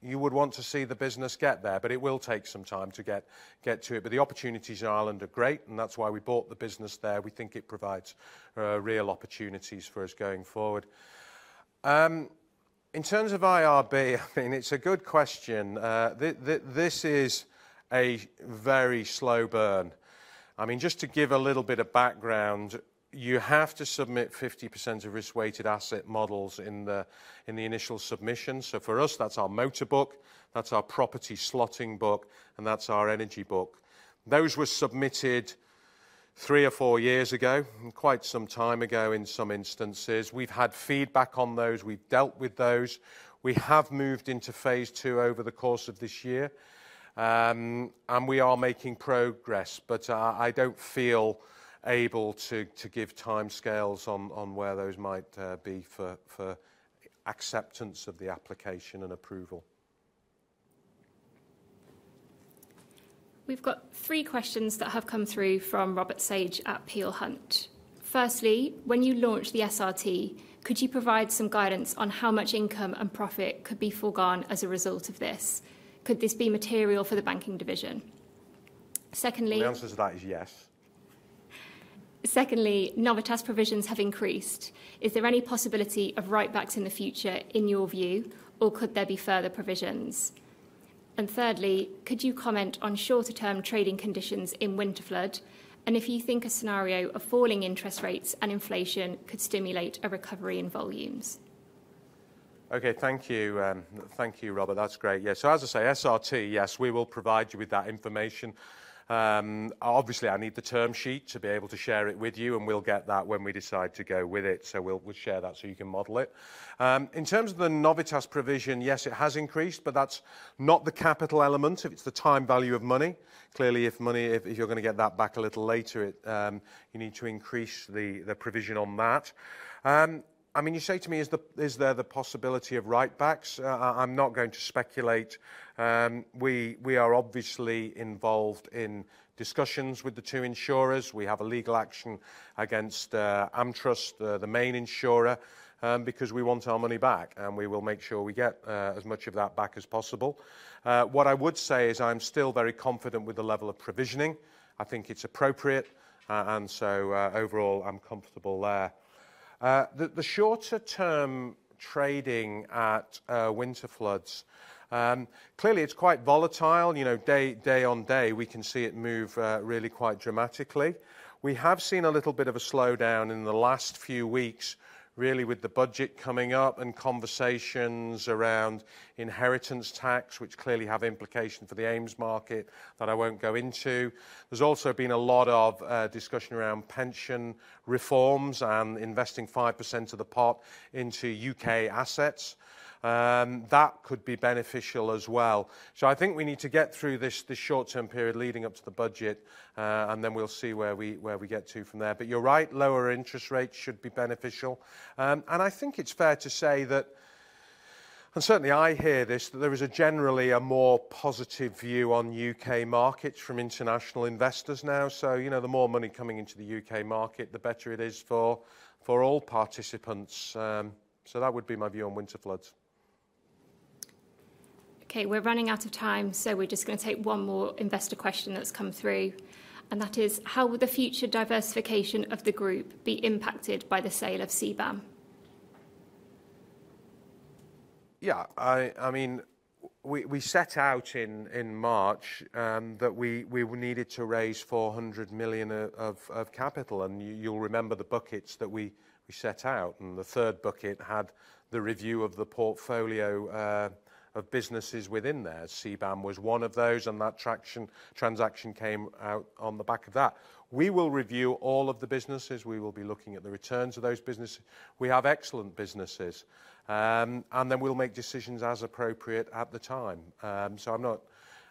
you would want to see the business get there, but it will take some time to get to it. But the opportunities in Ireland are great, and that's why we bought the business there. We think it provides real opportunities for us going forward. In terms of IRB, I mean, it's a good question. This is a very slow burn. I mean, just to give a little bit of background, you have to submit 50% of risk-weighted asset models in the initial submission. So for us, that's our motor book, that's our property slotting book, and that's our energy book. Those were submitted three or four years ago, and quite some time ago in some instances. We've had feedback on those, we've dealt with those. We have moved into phase two over the course of this year, and we are making progress. But, I don't feel able to give timescales on where those might be for acceptance of the application and approval. We've got three questions that have come through from Robert Sage at Peel Hunt. Firstly, when you launched the SRT, could you provide some guidance on how much income and profit could be foregone as a result of this? Could this be material for the banking division? Secondly- The answer to that is yes. Secondly, Novitas provisions have increased. Is there any possibility of write-backs in the future, in your view, or could there be further provisions? And thirdly, could you comment on shorter term trading conditions in Winterflood, and if you think a scenario of falling interest rates and inflation could stimulate a recovery in volumes? Okay, thank you, thank you, Robert. That's great. Yeah, so as I say, SRT, yes, we will provide you with that information. Obviously, I need the term sheet to be able to share it with you, and we'll get that when we decide to go with it. So we'll share that so you can model it. In terms of the Novitas provision, yes, it has increased, but that's not the capital element, it's the time value of money. Clearly, if money... If you're gonna get that back a little later, it, you need to increase the provision on that. I mean, you say to me, is there the possibility of write-backs? I'm not going to speculate. We are obviously involved in discussions with the two insurers. We have a legal action against AmTrust, the main insurer, because we want our money back, and we will make sure we get as much of that back as possible. What I would say is I'm still very confident with the level of provisioning. I think it's appropriate, and so overall, I'm comfortable there. The shorter term trading at Winterflood's clearly it's quite volatile. You know, day on day, we can see it move really quite dramatically. We have seen a little bit of a slowdown in the last few weeks, really with the budget coming up and conversations around inheritance tax, which clearly have implication for the AIM market that I won't go into. There's also been a lot of discussion around pension reforms and investing 5% of the pot into UK assets. That could be beneficial as well. So I think we need to get through this, the short-term period leading up to the budget, and then we'll see where we get to from there. But you're right, lower interest rates should be beneficial. And I think it's fair to say that, and certainly I hear this, that there is generally a more positive view on U.K. markets from international investors now. So, you know, the more money coming into the U.K. market, the better it is for all participants. So that would be my view on Winterflood. Okay, we're running out of time, so we're just gonna take one more investor question that's come through, and that is: How will the future diversification of the group be impacted by the sale of CBAM? Yeah, I mean, we set out in March that we would need to raise 400 million of capital, and you'll remember the buckets that we set out, and the third bucket had the review of the portfolio of businesses within there. CBAM was one of those, and that transaction came out on the back of that. We will review all of the businesses. We will be looking at the returns of those businesses. We have excellent businesses. And then we'll make decisions as appropriate at the time. So I'm not,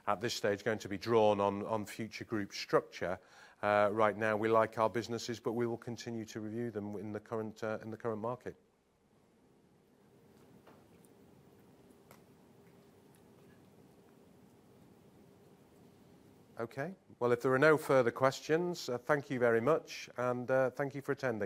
at this stage, going to be drawn on future group structure. Right now, we like our businesses, but we will continue to review them in the current market. Okay. Well, if there are no further questions, thank you very much, and thank you for attending.